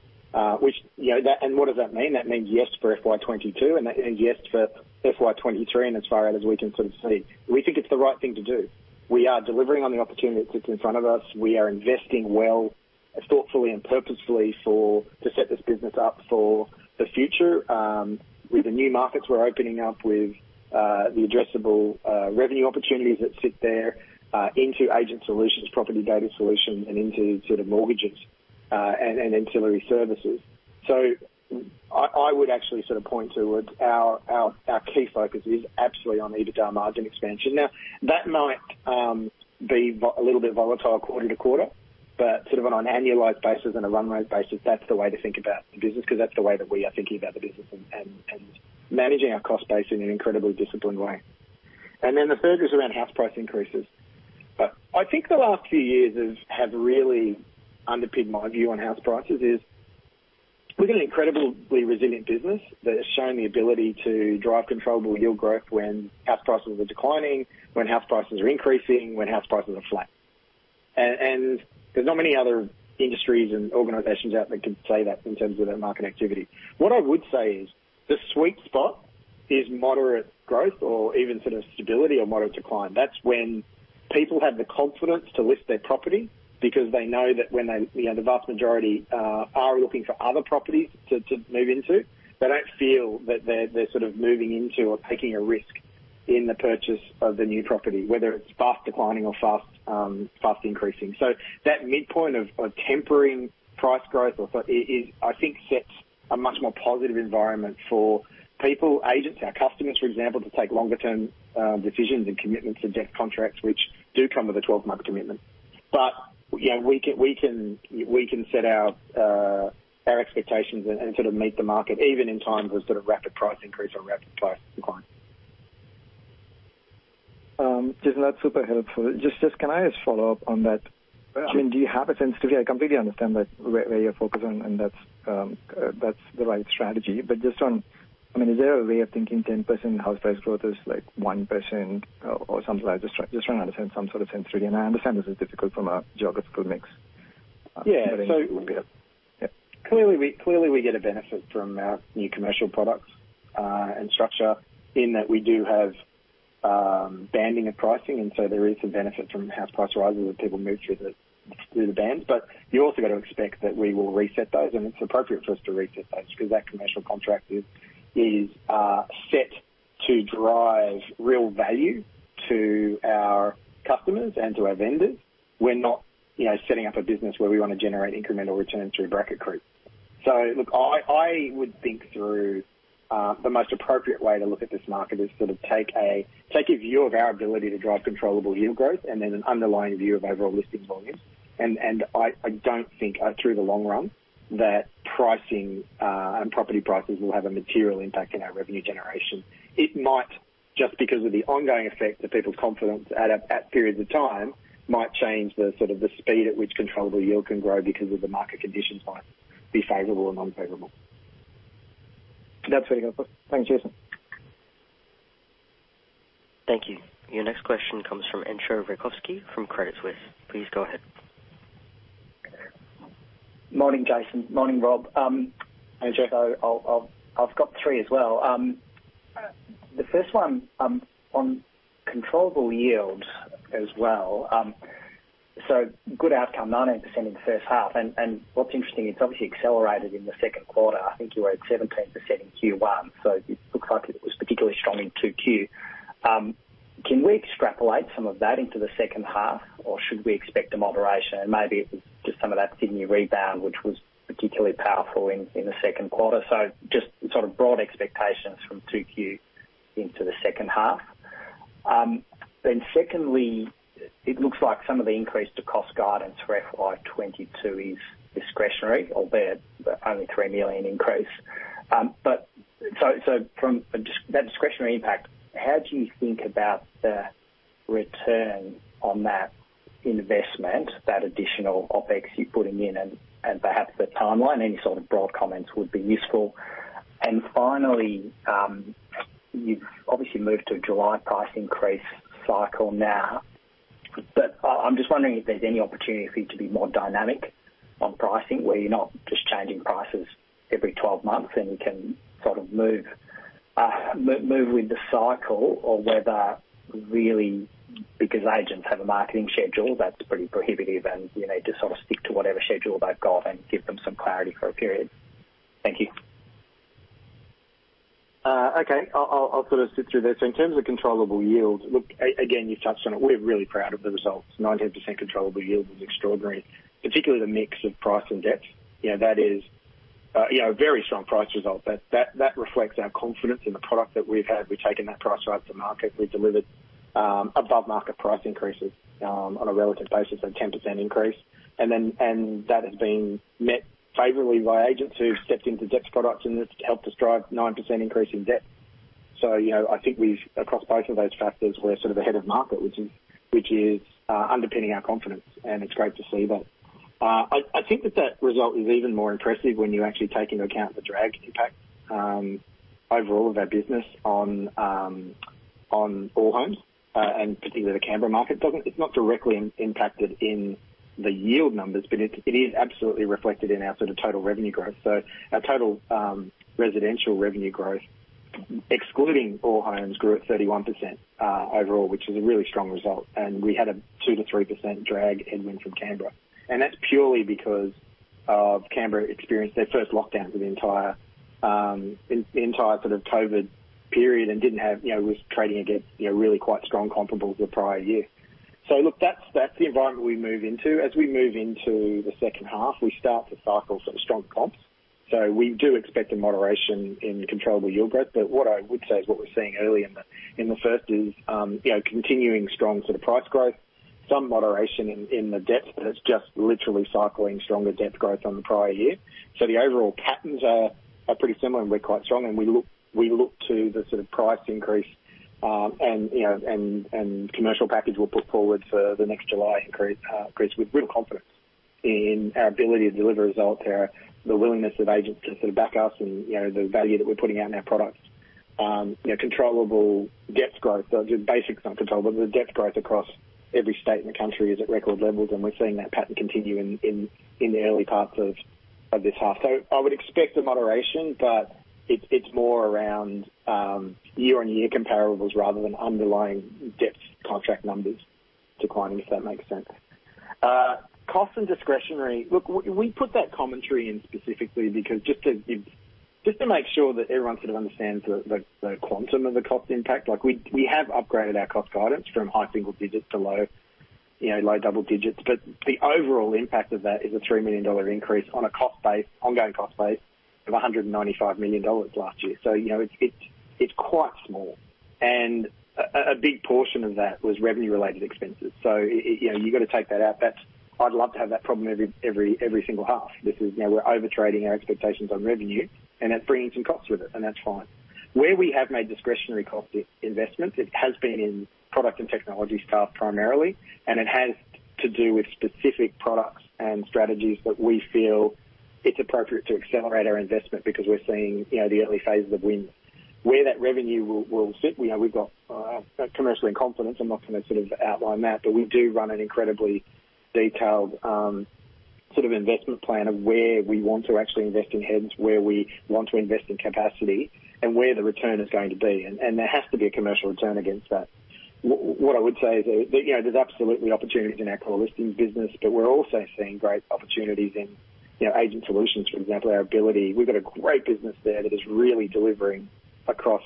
which, you know. And what does that mean? That means yes for FY 2022, and that means yes for FY 2023, and as far out as we can sort of see. We think it's the right thing to do. We are delivering on the opportunity that sits in front of us. We are investing well, thoughtfully and purposefully to set this business up for the future, with the new markets we're opening up, with the addressable revenue opportunities that sit there, into agent solutions, property data solutions, and into sort of mortgages, and ancillary services. I would actually sort of point to what our key focus is absolutely on EBITDA margin expansion. Now, that might be a little bit volatile quarter to quarter, but sort of on an annualized basis and a run rate basis, that's the way to think about the business, 'cause that's the way that we are thinking about the business and managing our cost base in an incredibly disciplined way. Then the third is around house price increases. I think the last few years have really underpinned my view on house prices is, we've an incredibly resilient business that has shown the ability to drive controllable yield growth when house prices are declining, when house prices are increasing, when house prices are flat. There's not many other industries and organizations out there can say that in terms of their market activity. What I would say is, the sweet spot is moderate growth or even sort of stability or moderate decline. That's when people have the confidence to list their property because they know that when they, you know, the vast majority are looking for other properties to move into, they don't feel that they're sort of moving into or taking a risk in the purchase of the new property, whether it's fast declining or fast increasing. That midpoint of tempering price growth or so is, I think sets a much more positive environment for people, agents, our customers, for example, to take longer term decisions and commitments to debt contracts, which do come with a 12-month commitment. You know, we can set our expectations and sort of meet the market even in times of sort of rapid price increase or rapid price decline. Jason, that's super helpful. Just can I just follow up on that? Yeah. I mean, do you have a sensitivity? I completely understand that where you're focused on and that's the right strategy. But just on, I mean, is there a way of thinking 10% house price growth is like 1% or something like. Just trying to understand some sort of sensitivity. I understand this is difficult from a geographical mix. Yeah. Clearly we get a benefit from our new commercial products and structure in that we do have banding of pricing, and so there is some benefit from house price rises as people move through the band. But you also got to expect that we will reset those, and it's appropriate for us to reset those 'cause that commercial contract is set to drive real value to our customers and to our vendors. We're not, you know, setting up a business where we wanna generate incremental return through bracket creep. So look, I would think through the most appropriate way to look at this market is sort of take a view of our ability to drive controllable yield growth and then an underlying view of overall listings volumes. I don't think through the long run that pricing and property prices will have a material impact in our revenue generation. It might just because of the ongoing effect of people's confidence at periods of time might change the sort of the speed at which controllable yield can grow because of the market conditions might be favorable or unfavorable. That's very helpful. Thanks, Jason. Thank you. Your next question comes from Anshul Rajkowski from Credit Suisse. Please go ahead. Morning, Jason. Morning, Robert. Jeff, I've got three as well. The first one, on controllable yield as well. Good outcome, 19% in the first half. What's interesting, it's obviously accelerated in the second quarter. I think you were at 17% in Q1, so it looks like it was particularly strong in Q2. Can we extrapolate some of that into the second half, or should we expect a moderation? Maybe it was just some of that Sydney rebound, which was particularly powerful in the second quarter. Just sort of broad expectations from Q2 into the second half. Then secondly, it looks like some of the increase to cost guidance for FY 2022 is discretionary, albeit only 3 million increase. From a discretionary impact, how do you think about the return on that investment, that additional OpEx you're putting in and perhaps the timeline? Any sort of broad comments would be useful. Finally, you've obviously moved to a July price increase cycle now, but I'm just wondering if there's any opportunity for you to be more dynamic on pricing, where you're not just changing prices every 12 months and you can sort of move with the cycle or whether really because agents have a marketing schedule that's pretty prohibitive and you need to sort of stick to whatever schedule they've got and give them some clarity for a period. Thank you. Okay. I'll sort of sit through this. In terms of controllable yields, look, again, you've touched on it. We're really proud of the results. 19% controllable yield is extraordinary, particularly the mix of price and depth. You know, that is, you know, a very strong price result. That reflects our confidence in the product that we've had. We've taken that price right to market. We delivered above market price increases on a relative basis of 10% increase. That has been met favorably by agents who stepped into depth products, and it's helped us drive 9% increase in depth. You know, I think we've, across both of those factors, we're sort of ahead of market, which is underpinning our confidence, and it's great to see that. I think that result is even more impressive when you actually take into account the drag impact overall of our business on Allhomes and particularly the Canberra market. It's not directly impacted in the yield numbers, but it is absolutely reflected in our sort of total revenue growth. Our total residential revenue growth, excluding Allhomes, grew at 31% overall, which is a really strong result, and we had a 2%-3% drag headwind from Canberra. That's purely because Canberra experienced their first lockdown for the entire sort of COVID period and didn't have, you know, was trading against, you know, really quite strong comparables the prior year. Look, that's the environment we move into. As we move into the second half, we start to cycle some strong comps. We do expect a moderation in controllable yield growth. What I would say is what we're seeing early in the first is, you know, continuing strong sort of price growth, some moderation in the depth, but it's just literally cycling stronger depth growth on the prior year. The overall patterns are pretty similar, and we're quite strong, and we look to the sort of price increase, and commercial package we'll put forward for the next July increase with real confidence in our ability to deliver results there, the willingness of agents to sort of back us and, you know, the value that we're putting out in our products. You know, controllable depth growth, the basics aren't controllable, the depth growth across every state in the country is at record levels, and we're seeing that pattern continue in the early parts of this half. I would expect a moderation, but it's more around year-on-year comparables rather than underlying depth contract numbers declining, if that makes sense. Cost and discretionary. Look, we put that commentary in specifically because to make sure that everyone sort of understands the quantum of the cost impact. Like we have upgraded our cost guidance from high single digits to low, you know, double digits. But the overall impact of that is an 3 million dollar increase on an ongoing cost base of 195 million dollars last year. You know, it's quite small. A big portion of that was revenue-related expenses. You know, you gotta take that out. That's. I'd love to have that problem every single half. This is, you know, we're overtrading our expectations on revenue, and that's bringing some costs with it, and that's fine. Where we have made discretionary cost investments, it has been in product and technology staff primarily, and it has to do with specific products and strategies that we feel it's appropriate to accelerate our investment because we're seeing, you know, the early phases of wins. Where that revenue will sit, you know, we've got commercial in confidence, I'm not gonna sort of outline that, but we do run an incredibly detailed sort of investment plan of where we want to actually invest in heads, where we want to invest in capacity, and where the return is going to be. There has to be a commercial return against that. What I would say is that, you know, there's absolutely opportunities in our core listing business, but we're also seeing great opportunities in, you know, agent solutions, for example, our ability. We've got a great business there that is really delivering across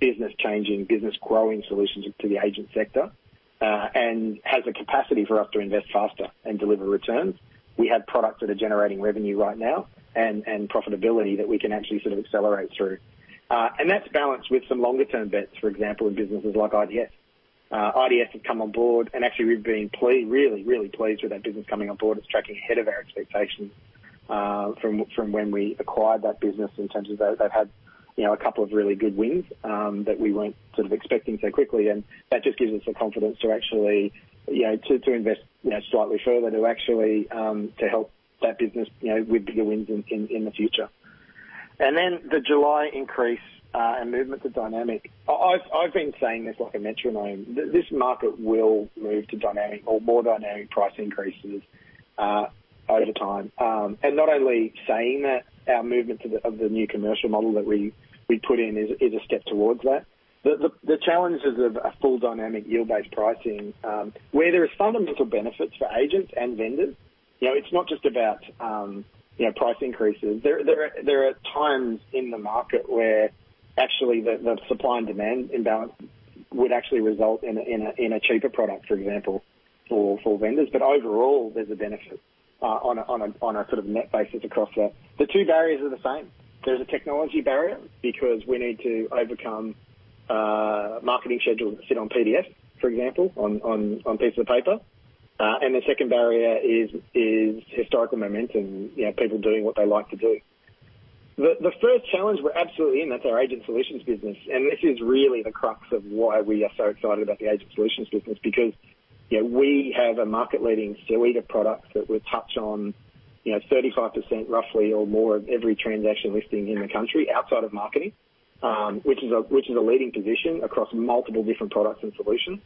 business changing, business growing solutions to the agent sector, and has a capacity for us to invest faster and deliver returns. We have products that are generating revenue right now and profitability that we can actually sort of accelerate through. That's balanced with some longer term bets, for example, in businesses like IDS. IDS have come on board, and actually we've been really pleased with that business coming on board. It's tracking ahead of our expectations from when we acquired that business in terms of they've had you know a couple of really good wins that we weren't sort of expecting so quickly, and that just gives us the confidence to actually you know to invest you know slightly further to actually to help that business you know with bigger wins in the future. Then the July increase and movement to dynamic. I've been saying this like a metronome. This market will move to dynamic or more dynamic price increases over time. Not only saying that, our movement to the new commercial model that we put in is a step towards that. The challenges of a full dynamic yield-based pricing where there are fundamental benefits for agents and vendors, you know, it's not just about price increases. There are times in the market where actually the supply and demand imbalance would actually result in a cheaper product, for example, for vendors. Overall, there's a benefit on a sort of net basis across that. The two barriers are the same. There's a technology barrier because we need to overcome marketing schedules that sit on PDF, for example, on pieces of paper. The second barrier is historical momentum. You know, people doing what they like to do. The first challenge we're absolutely in, that's our agent solutions business, and this is really the crux of why we are so excited about the agent solutions business because, you know, we have a market-leading suite of products that we touch on, you know, 35% roughly or more of every transaction listing in the country outside of marketing, which is a leading position across multiple different products and solutions.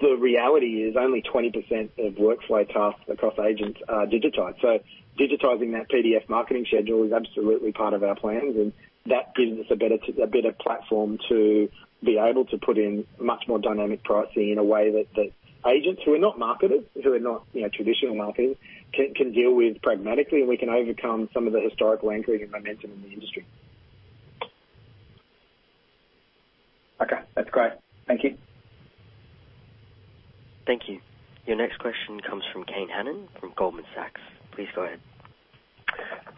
The reality is only 20% of workflow tasks across agents are digitized. Digitizing that PDF marketing schedule is absolutely part of our plans, and that gives us a better platform to be able to put in much more dynamic pricing in a way that agents who are not marketers, who are not, you know, traditional marketers can deal with pragmatically, and we can overcome some of the historical anchoring and momentum in the industry. Okay, that's great. Thank you. Your next question comes from Kane Hannan from Goldman Sachs. Please go ahead.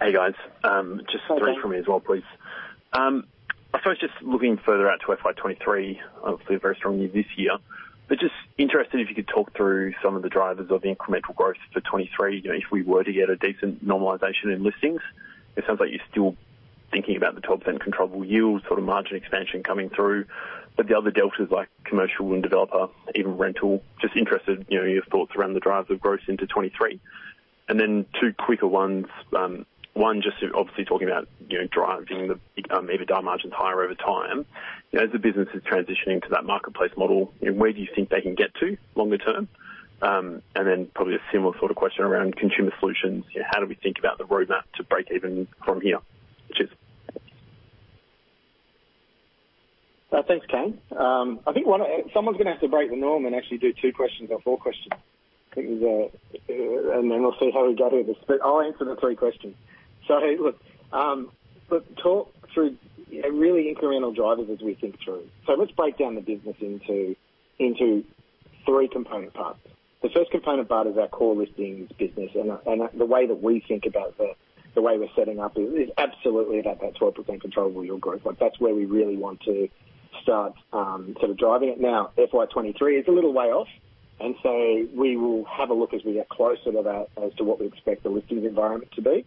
Hey, guys. Just three from me as well, please. I suppose just looking further out to FY 2023, obviously a very strong year this year, but just interested if you could talk through some of the drivers of incremental growth for 2023. You know, if we were to get a decent normalization in listings, it sounds like you're still thinking about the top 10 controllable yields sort of margin expansion coming through, but the other deltas like commercial and developer, even rental, just interested, you know, your thoughts around the drivers of growth into 2023. Then two quicker ones. One, just obviously talking about, you know, driving the EBITDA margins higher over time. You know, as the business is transitioning to that marketplace model, you know, where do you think they can get to longer term? Probably a similar sort of question around consumer solutions. You know, how do we think about the roadmap to break even from here? Cheers. Thanks, Kane. I think someone's gonna have to break the norm and actually do two questions or four questions, and then we'll see how we go with this. I'll answer the three questions. Look, talk through really incremental drivers as we think through. Let's break down the business into three component parts. The first component part is our core listings business. The way that we think about that, the way we're setting up is absolutely about that 12% controllable yield growth. Like, that's where we really want to start sort of driving it. Now, FY 2023 is a little way off, and we will have a look as we get closer to that as to what we expect the listings environment to be,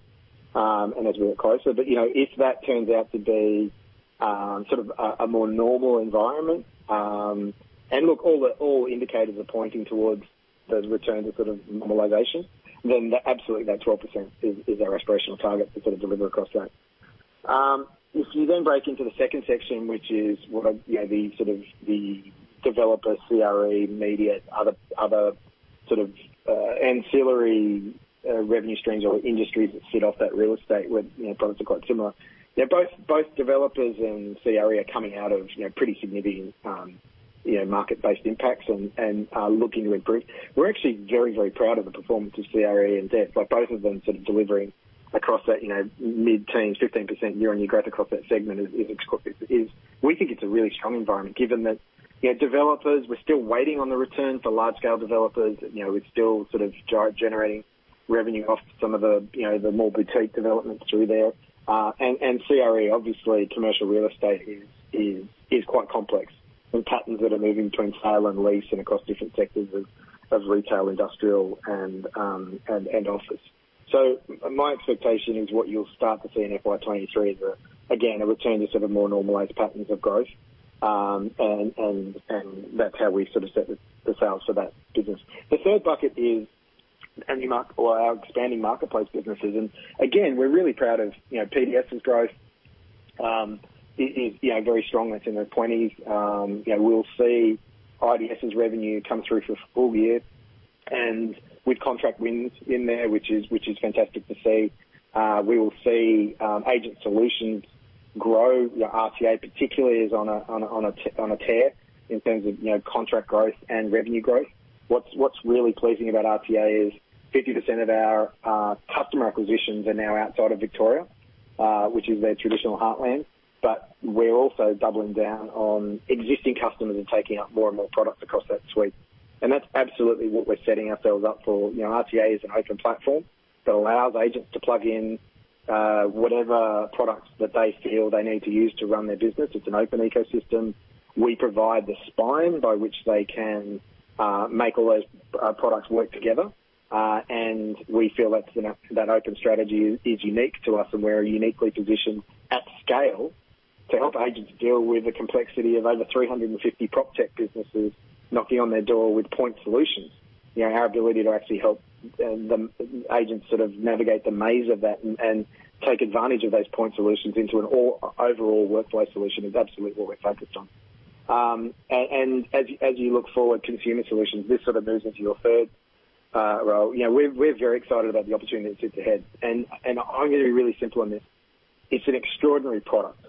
and as we get closer. You know, if that turns out to be sort of a more normal environment, and look, all indicators are pointing towards those returns are sort of normalization, then absolutely that 12% is our aspirational target to sort of deliver across that. If you then break into the second section, which is what, you know, the sort of the developer CRE, media, other sort of ancillary revenue streams or industries that sit off that real estate where, you know, products are quite similar. You know, both developers and CRE are coming out of, you know, pretty significant, you know, market-based impacts and are looking to improve. We're actually very, very proud of the performance of CRE and data, like both of them sort of delivering across that, you know, mid-teens, 15% year-over-year growth across that segment is. We think it's a really strong environment given that, you know, developers, we're still waiting on the return for large-scale developers. You know, we're still sort of generating revenue off some of the, you know, the more boutique developments through there. And CRE, obviously commercial real estate is quite complex and patterns that are moving between sale and lease and across different sectors of retail, industrial and office. My expectation is what you'll start to see in FY 2023 is again a return to sort of more normalized patterns of growth. That's how we sort of set the sails for that business. The third bucket is our expanding marketplace businesses. We're really proud of, you know, PDS's growth is, you know, very strong. That's in the 20s. We'll see IDS's revenue come through for full year and with contract wins in there, which is fantastic to see. We will see agent solutions grow. You know, RTA particularly is on a tear in terms of, you know, contract growth and revenue growth. What's really pleasing about RTA is 50% of our customer acquisitions are now outside of Victoria, which is their traditional heartland, but we're also doubling down on existing customers and taking up more and more products across that suite. That's absolutely what we're setting ourselves up for. You know, RTA is an open platform that allows agents to plug in whatever products that they feel they need to use to run their business. It's an open ecosystem. We provide the spine by which they can make all those products work together. We feel that open strategy is unique to us and we're uniquely positioned at scale to help agents deal with the complexity of over 350 proptech businesses knocking on their door with point solutions. You know, our ability to actually help the agents sort of navigate the maze of that and take advantage of those point solutions into an overall workflow solution is absolutely what we're focused on. As you look forward consumer solutions, this sort of moves into your third role. You know, we're very excited about the opportunity that sits ahead. I'm gonna be really simple on this. It's an extraordinary product.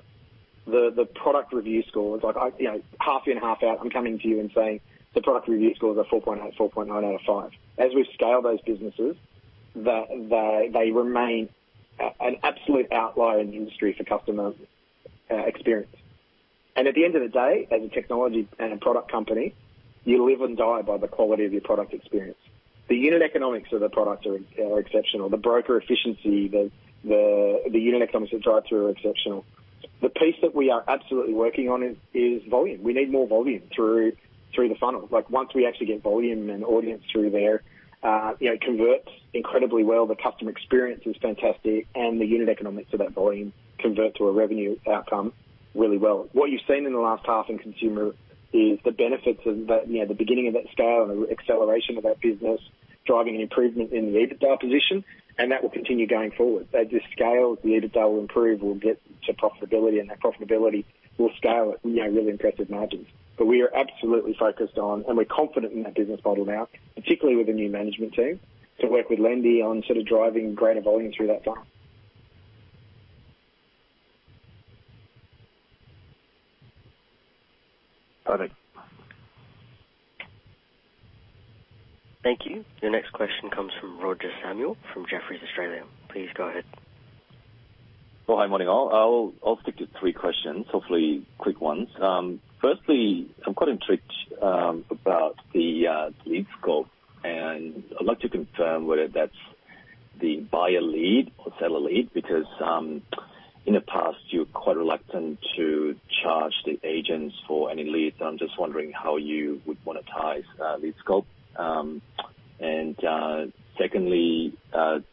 The product review score is like I... You know, half in, half out, I'm coming to you and saying, "The product review score is a 4.8, 4.9 out of 5." As we scale those businesses, they remain an absolute outlier in the industry for customer experience. At the end of the day, as a technology and a product company, you live and die by the quality of your product experience. The unit economics of the product are exceptional. The broker efficiency, the unit economics that drive through are exceptional. The piece that we are absolutely working on is volume. We need more volume through the funnel. Like, once we actually get volume and audience through there, you know, converts incredibly well, the customer experience is fantastic, and the unit economics of that volume convert to a revenue outcome really well. What you've seen in the last half in consumer is the benefits of the, you know, the beginning of that scale and the acceleration of that business driving an improvement in the EBITDA position, and that will continue going forward. As you scale, the EBITDA will improve, we'll get to profitability, and that profitability will scale at, you know, really impressive margins. But we are absolutely focused on, and we're confident in that business model now, particularly with the new management team, to work with Lendi on sort of driving greater volume through that bank. Perfect. Thank you. Your next question comes from Roger Samuel, from Jefferies Australia. Please go ahead. Well, hi, morning all. I'll stick to three questions, hopefully quick ones. Firstly, I'm quite intrigued about the LeadScope, and I'd like to confirm whether that's the buyer lead or seller lead because in the past, you were quite reluctant to charge the agents for any leads. I'm just wondering how you would monetize LeadScope. Secondly,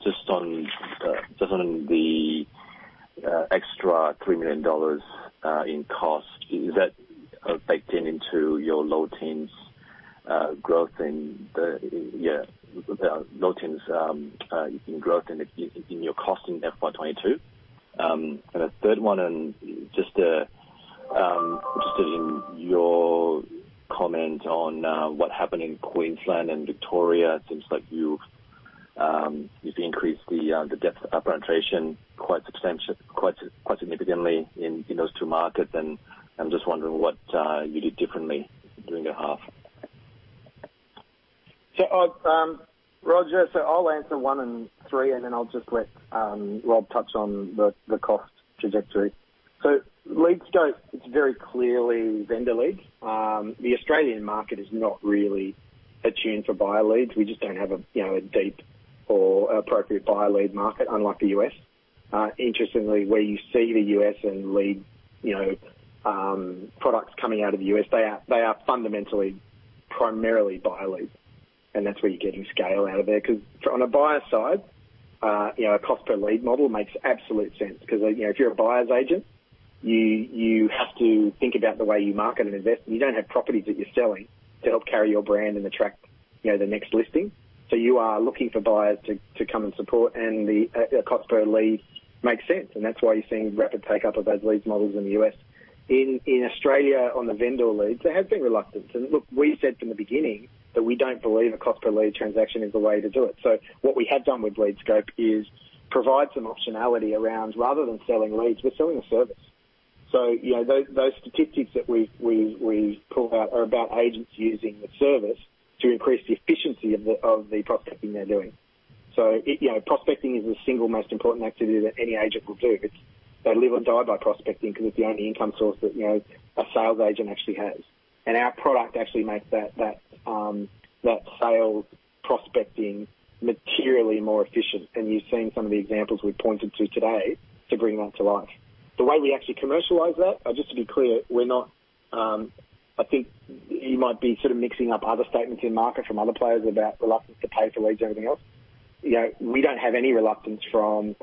just on the extra 3 million dollars in cost, is that baked into your low-teens growth in FY 2022. A third one and just in your comment on what happened in Queensland and Victoria, it seems like you've increased the depth of penetration quite significantly in those two markets. I'm just wondering what you did differently during the half. Roger, so I'll answer one and three, and then I'll just let Robert touch on the cost trajectory. LeadScope, it's very clearly vendor leads. The Australian market is not really attuned for buyer leads. We just don't have a, you know, a deep or appropriate buyer lead market unlike the U.S. Interestingly, where you see the U.S. lead products coming out of the U.S., they are fundamentally primarily buyer leads, and that's where you're getting scale out of there. 'Cause on a buyer side, you know, a cost per lead model makes absolute sense 'cause, you know, if you're a buyer's agent, you have to think about the way you market and invest. You don't have properties that you're selling to help carry your brand and attract, you know, the next listing. You are looking for buyers to come and support and the cost per lead makes sense, and that's why you're seeing rapid take up of those leads models in the U.S. In Australia on the vendor leads, there has been reluctance. Look, we said from the beginning that we don't believe a cost per lead transaction is the way to do it. What we have done with LeadScope is provide some optionality around rather than selling leads, we're selling a service. You know, those statistics that we pull out are about agents using the service to increase the efficiency of the prospecting they're doing. It you know prospecting is the single most important activity that any agent will do. They live and die by prospecting 'cause it's the only income source that, you know, a sales agent actually has. Our product actually makes that sales prospecting materially more efficient, and you've seen some of the examples we've pointed to today to bring that to life. The way we actually commercialize that, just to be clear, we're not. I think you might be sort of mixing up other statements in market from other players about reluctance to pay for leads or anything else. You know, we don't have any reluctance from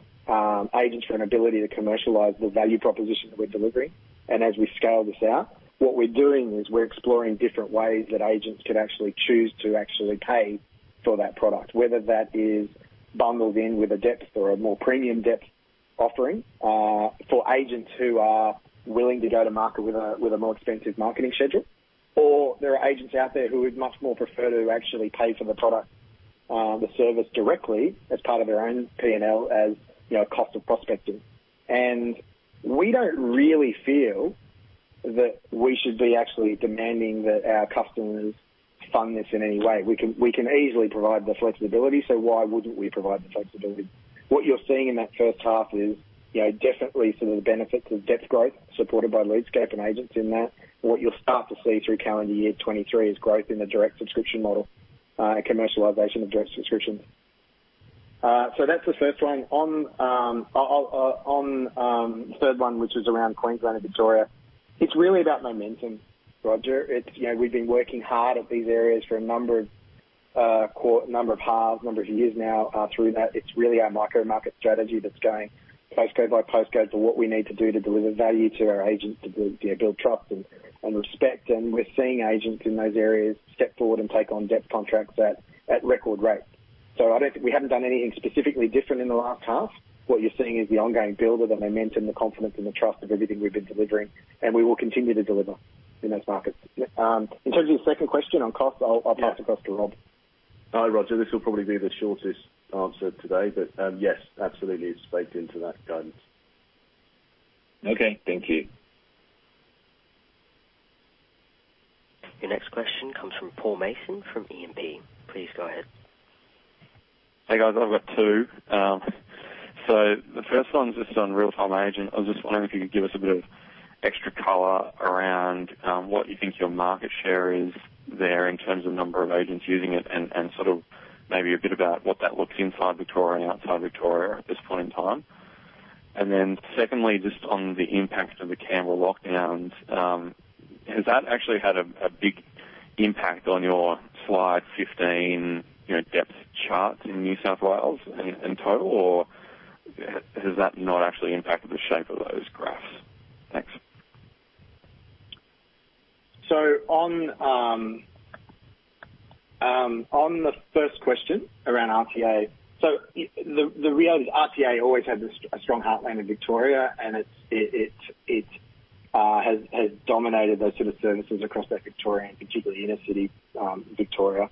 agents for an ability to commercialize the value proposition that we're delivering. As we scale this out, what we're doing is we're exploring different ways that agents could actually choose to actually pay for that product, whether that is bundled in with a depth or a more premium depth offering, for agents who are willing to go to market with a more expensive marketing schedule. There are agents out there who would much more prefer to actually pay for the product, the service directly as part of their own P&L as, you know, cost of prospecting. We don't really feel that we should be actually demanding that our customers fund this in any way. We can easily provide the flexibility, so why wouldn't we provide the flexibility? What you're seeing in that first half is, you know, definitely sort of the benefits of depth growth supported by LeadScope and agents in that. What you'll start to see through calendar year 2023 is growth in the direct subscription model, and commercialization of direct subscriptions. That's the first one. On third one, which is around Queensland and Victoria, it's really about momentum, Roger. It's, you know, we've been working hard at these areas for a number of halves, number of years now, through that. It's really our micro market strategy that's going postcode by postcode to what we need to do to deliver value to our agents, to build, you know, build trust and respect. We're seeing agents in those areas step forward and take on depth contracts at record rate. I don't think we haven't done anything specifically different in the last half. What you're seeing is the ongoing build of the momentum, the confidence, and the trust of everything we've been delivering, and we will continue to deliver in those markets. Yeah, in terms of the second question on cost, I'll pass across to Robert. Hi, Roger. This will probably be the shortest answer today, but, yes, absolutely it's baked into that guidance. Okay, thank you. Your next question comes from Paul Mason, from UBS. Please go ahead. Hey, guys. I've got two. The first one's just on Real Time Agent. I was just wondering if you could give us a bit of extra color around what you think your market share is there in terms of number of agents using it and sort of maybe a bit about what that looks inside Victoria and outside Victoria at this point in time. Then secondly, just on the impact of the Canberra lockdown, has that actually had a big impact on your slide 15, you know, depth charts in New South Wales in total? Or has that not actually impacted the shape of those graphs? Thanks. On the first question around RTA. The reality is RTA always had a strong heartland in Victoria, and it has dominated those sort of services across that Victorian, particularly inner city, Victoria.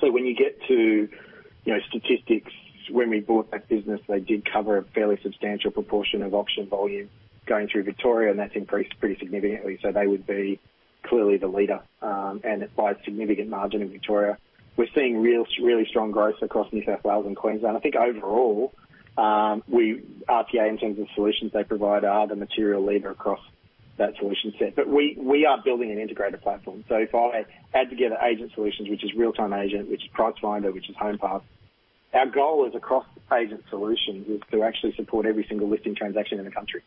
When you get to, you know, statistics, when we bought that business, they did cover a fairly substantial proportion of auction volume going through Victoria, and that's increased pretty significantly. They would be clearly the leader, and by a significant margin in Victoria. We're seeing really strong growth across New South Wales and Queensland. I think overall, RTA, in terms of solutions they provide, are the material leader across that solution set. We are building an integrated platform. If I add together agent solutions, which is Real Time Agent, which is Pricefinder, which is Homepass, our goal is across agent solutions is to actually support every single listing transaction in the country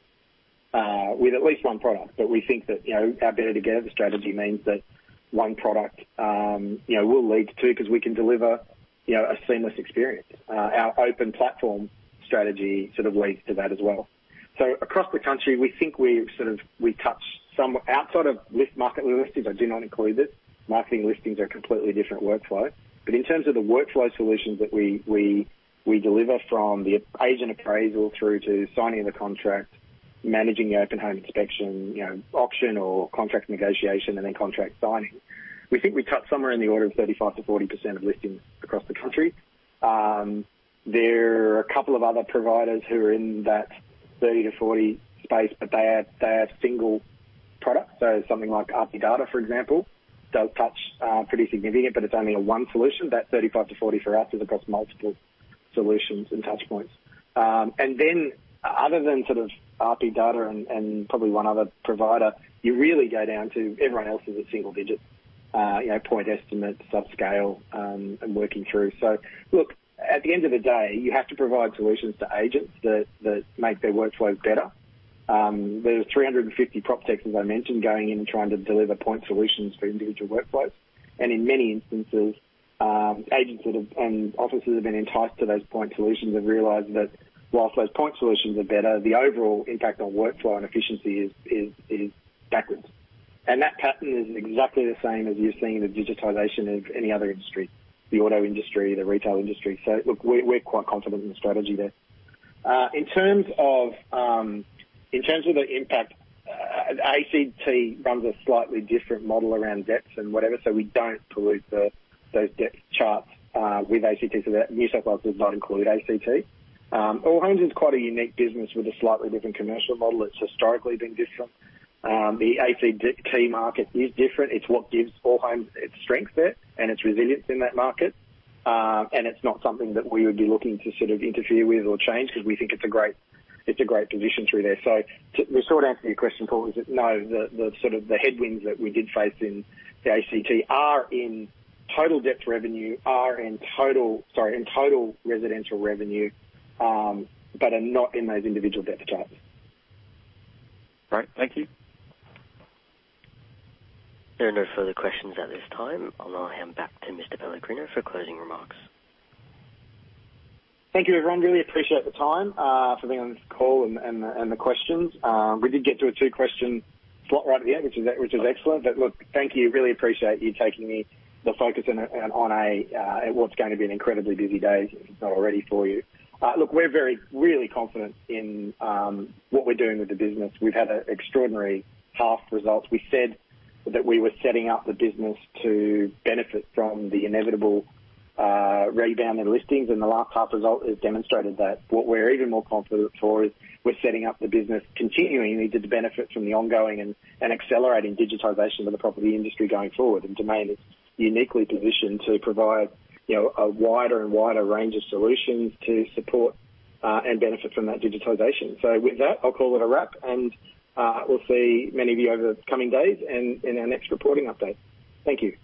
with at least one product. But we think that, you know, our better together strategy means that one product will lead to two 'cause we can deliver a seamless experience. Our open platform strategy sort of leads to that as well. Across the country, we think we've sort of, we touch some outside of list market listings. I do not include it. Marketing listings are completely different workflow. But in terms of the workflow solutions that we deliver from the agent appraisal through to signing the contract, managing the open home inspection, you know, auction or contract negotiation and then contract signing. We think we touch somewhere in the order of 35%-40% of listings across the country. There are a couple of other providers who are in that 30%-40% space, but they are single product. Something like RP Data, for example, does touch pretty significant, but it's only a one solution. That 35%-40% for us is across multiple solutions and touch points. And then other than sort of RP Data and probably one other provider, you really go down to everyone else is a single digit, you know, point estimate, subscale, and working through. Look, at the end of the day, you have to provide solutions to agents that make their workflow better. There are 350 proptech, as I mentioned, going in and trying to deliver point solutions for individual workflows. In many instances, agents and offices have been enticed to those point solutions have realized that while those point solutions are better, the overall impact on workflow and efficiency is backwards. That pattern is exactly the same as you're seeing in the digitization of any other industry, the auto industry, the retail industry. Look, we're quite confident in the strategy there. In terms of the impact, ACT runs a slightly different model around depths and whatever, so we don't pollute those depth charts with ACT. New South Wales does not include ACT. Allhomes is quite a unique business with a slightly different commercial model. It's historically been different. The ACT key market is different. It's what gives Allhomes its strength there and its resilience in that market. And it's not something that we would be looking to sort of interfere with or change because we think it's a great position through there. The short answer to your question, Paul, is that no, the sort of headwinds that we did face in the ACT are in total residential revenue, but are not in those individual depth charts. Great. Thank you. There are no further questions at this time. I'll now hand back to Mr. Pellegrino for closing remarks. Thank you, everyone. Really appreciate the time for being on this call and the questions. We did get to a two-question slot right at the end, which is excellent. Look, thank you. Really appreciate you taking the focus on a what's going to be an incredibly busy day, if it's not already for you. Look, we're very really confident in what we're doing with the business. We've had extraordinary half results. We said that we were setting up the business to benefit from the inevitable rebound in listings, and the last half result has demonstrated that. What we're even more confident for is we're setting up the business continually to benefit from the ongoing and accelerating digitization of the property industry going forward. Domain is uniquely positioned to provide, you know, a wider and wider range of solutions to support and benefit from that digitization. With that, I'll call it a wrap and we'll see many of you over the coming days and in our next reporting update. Thank you.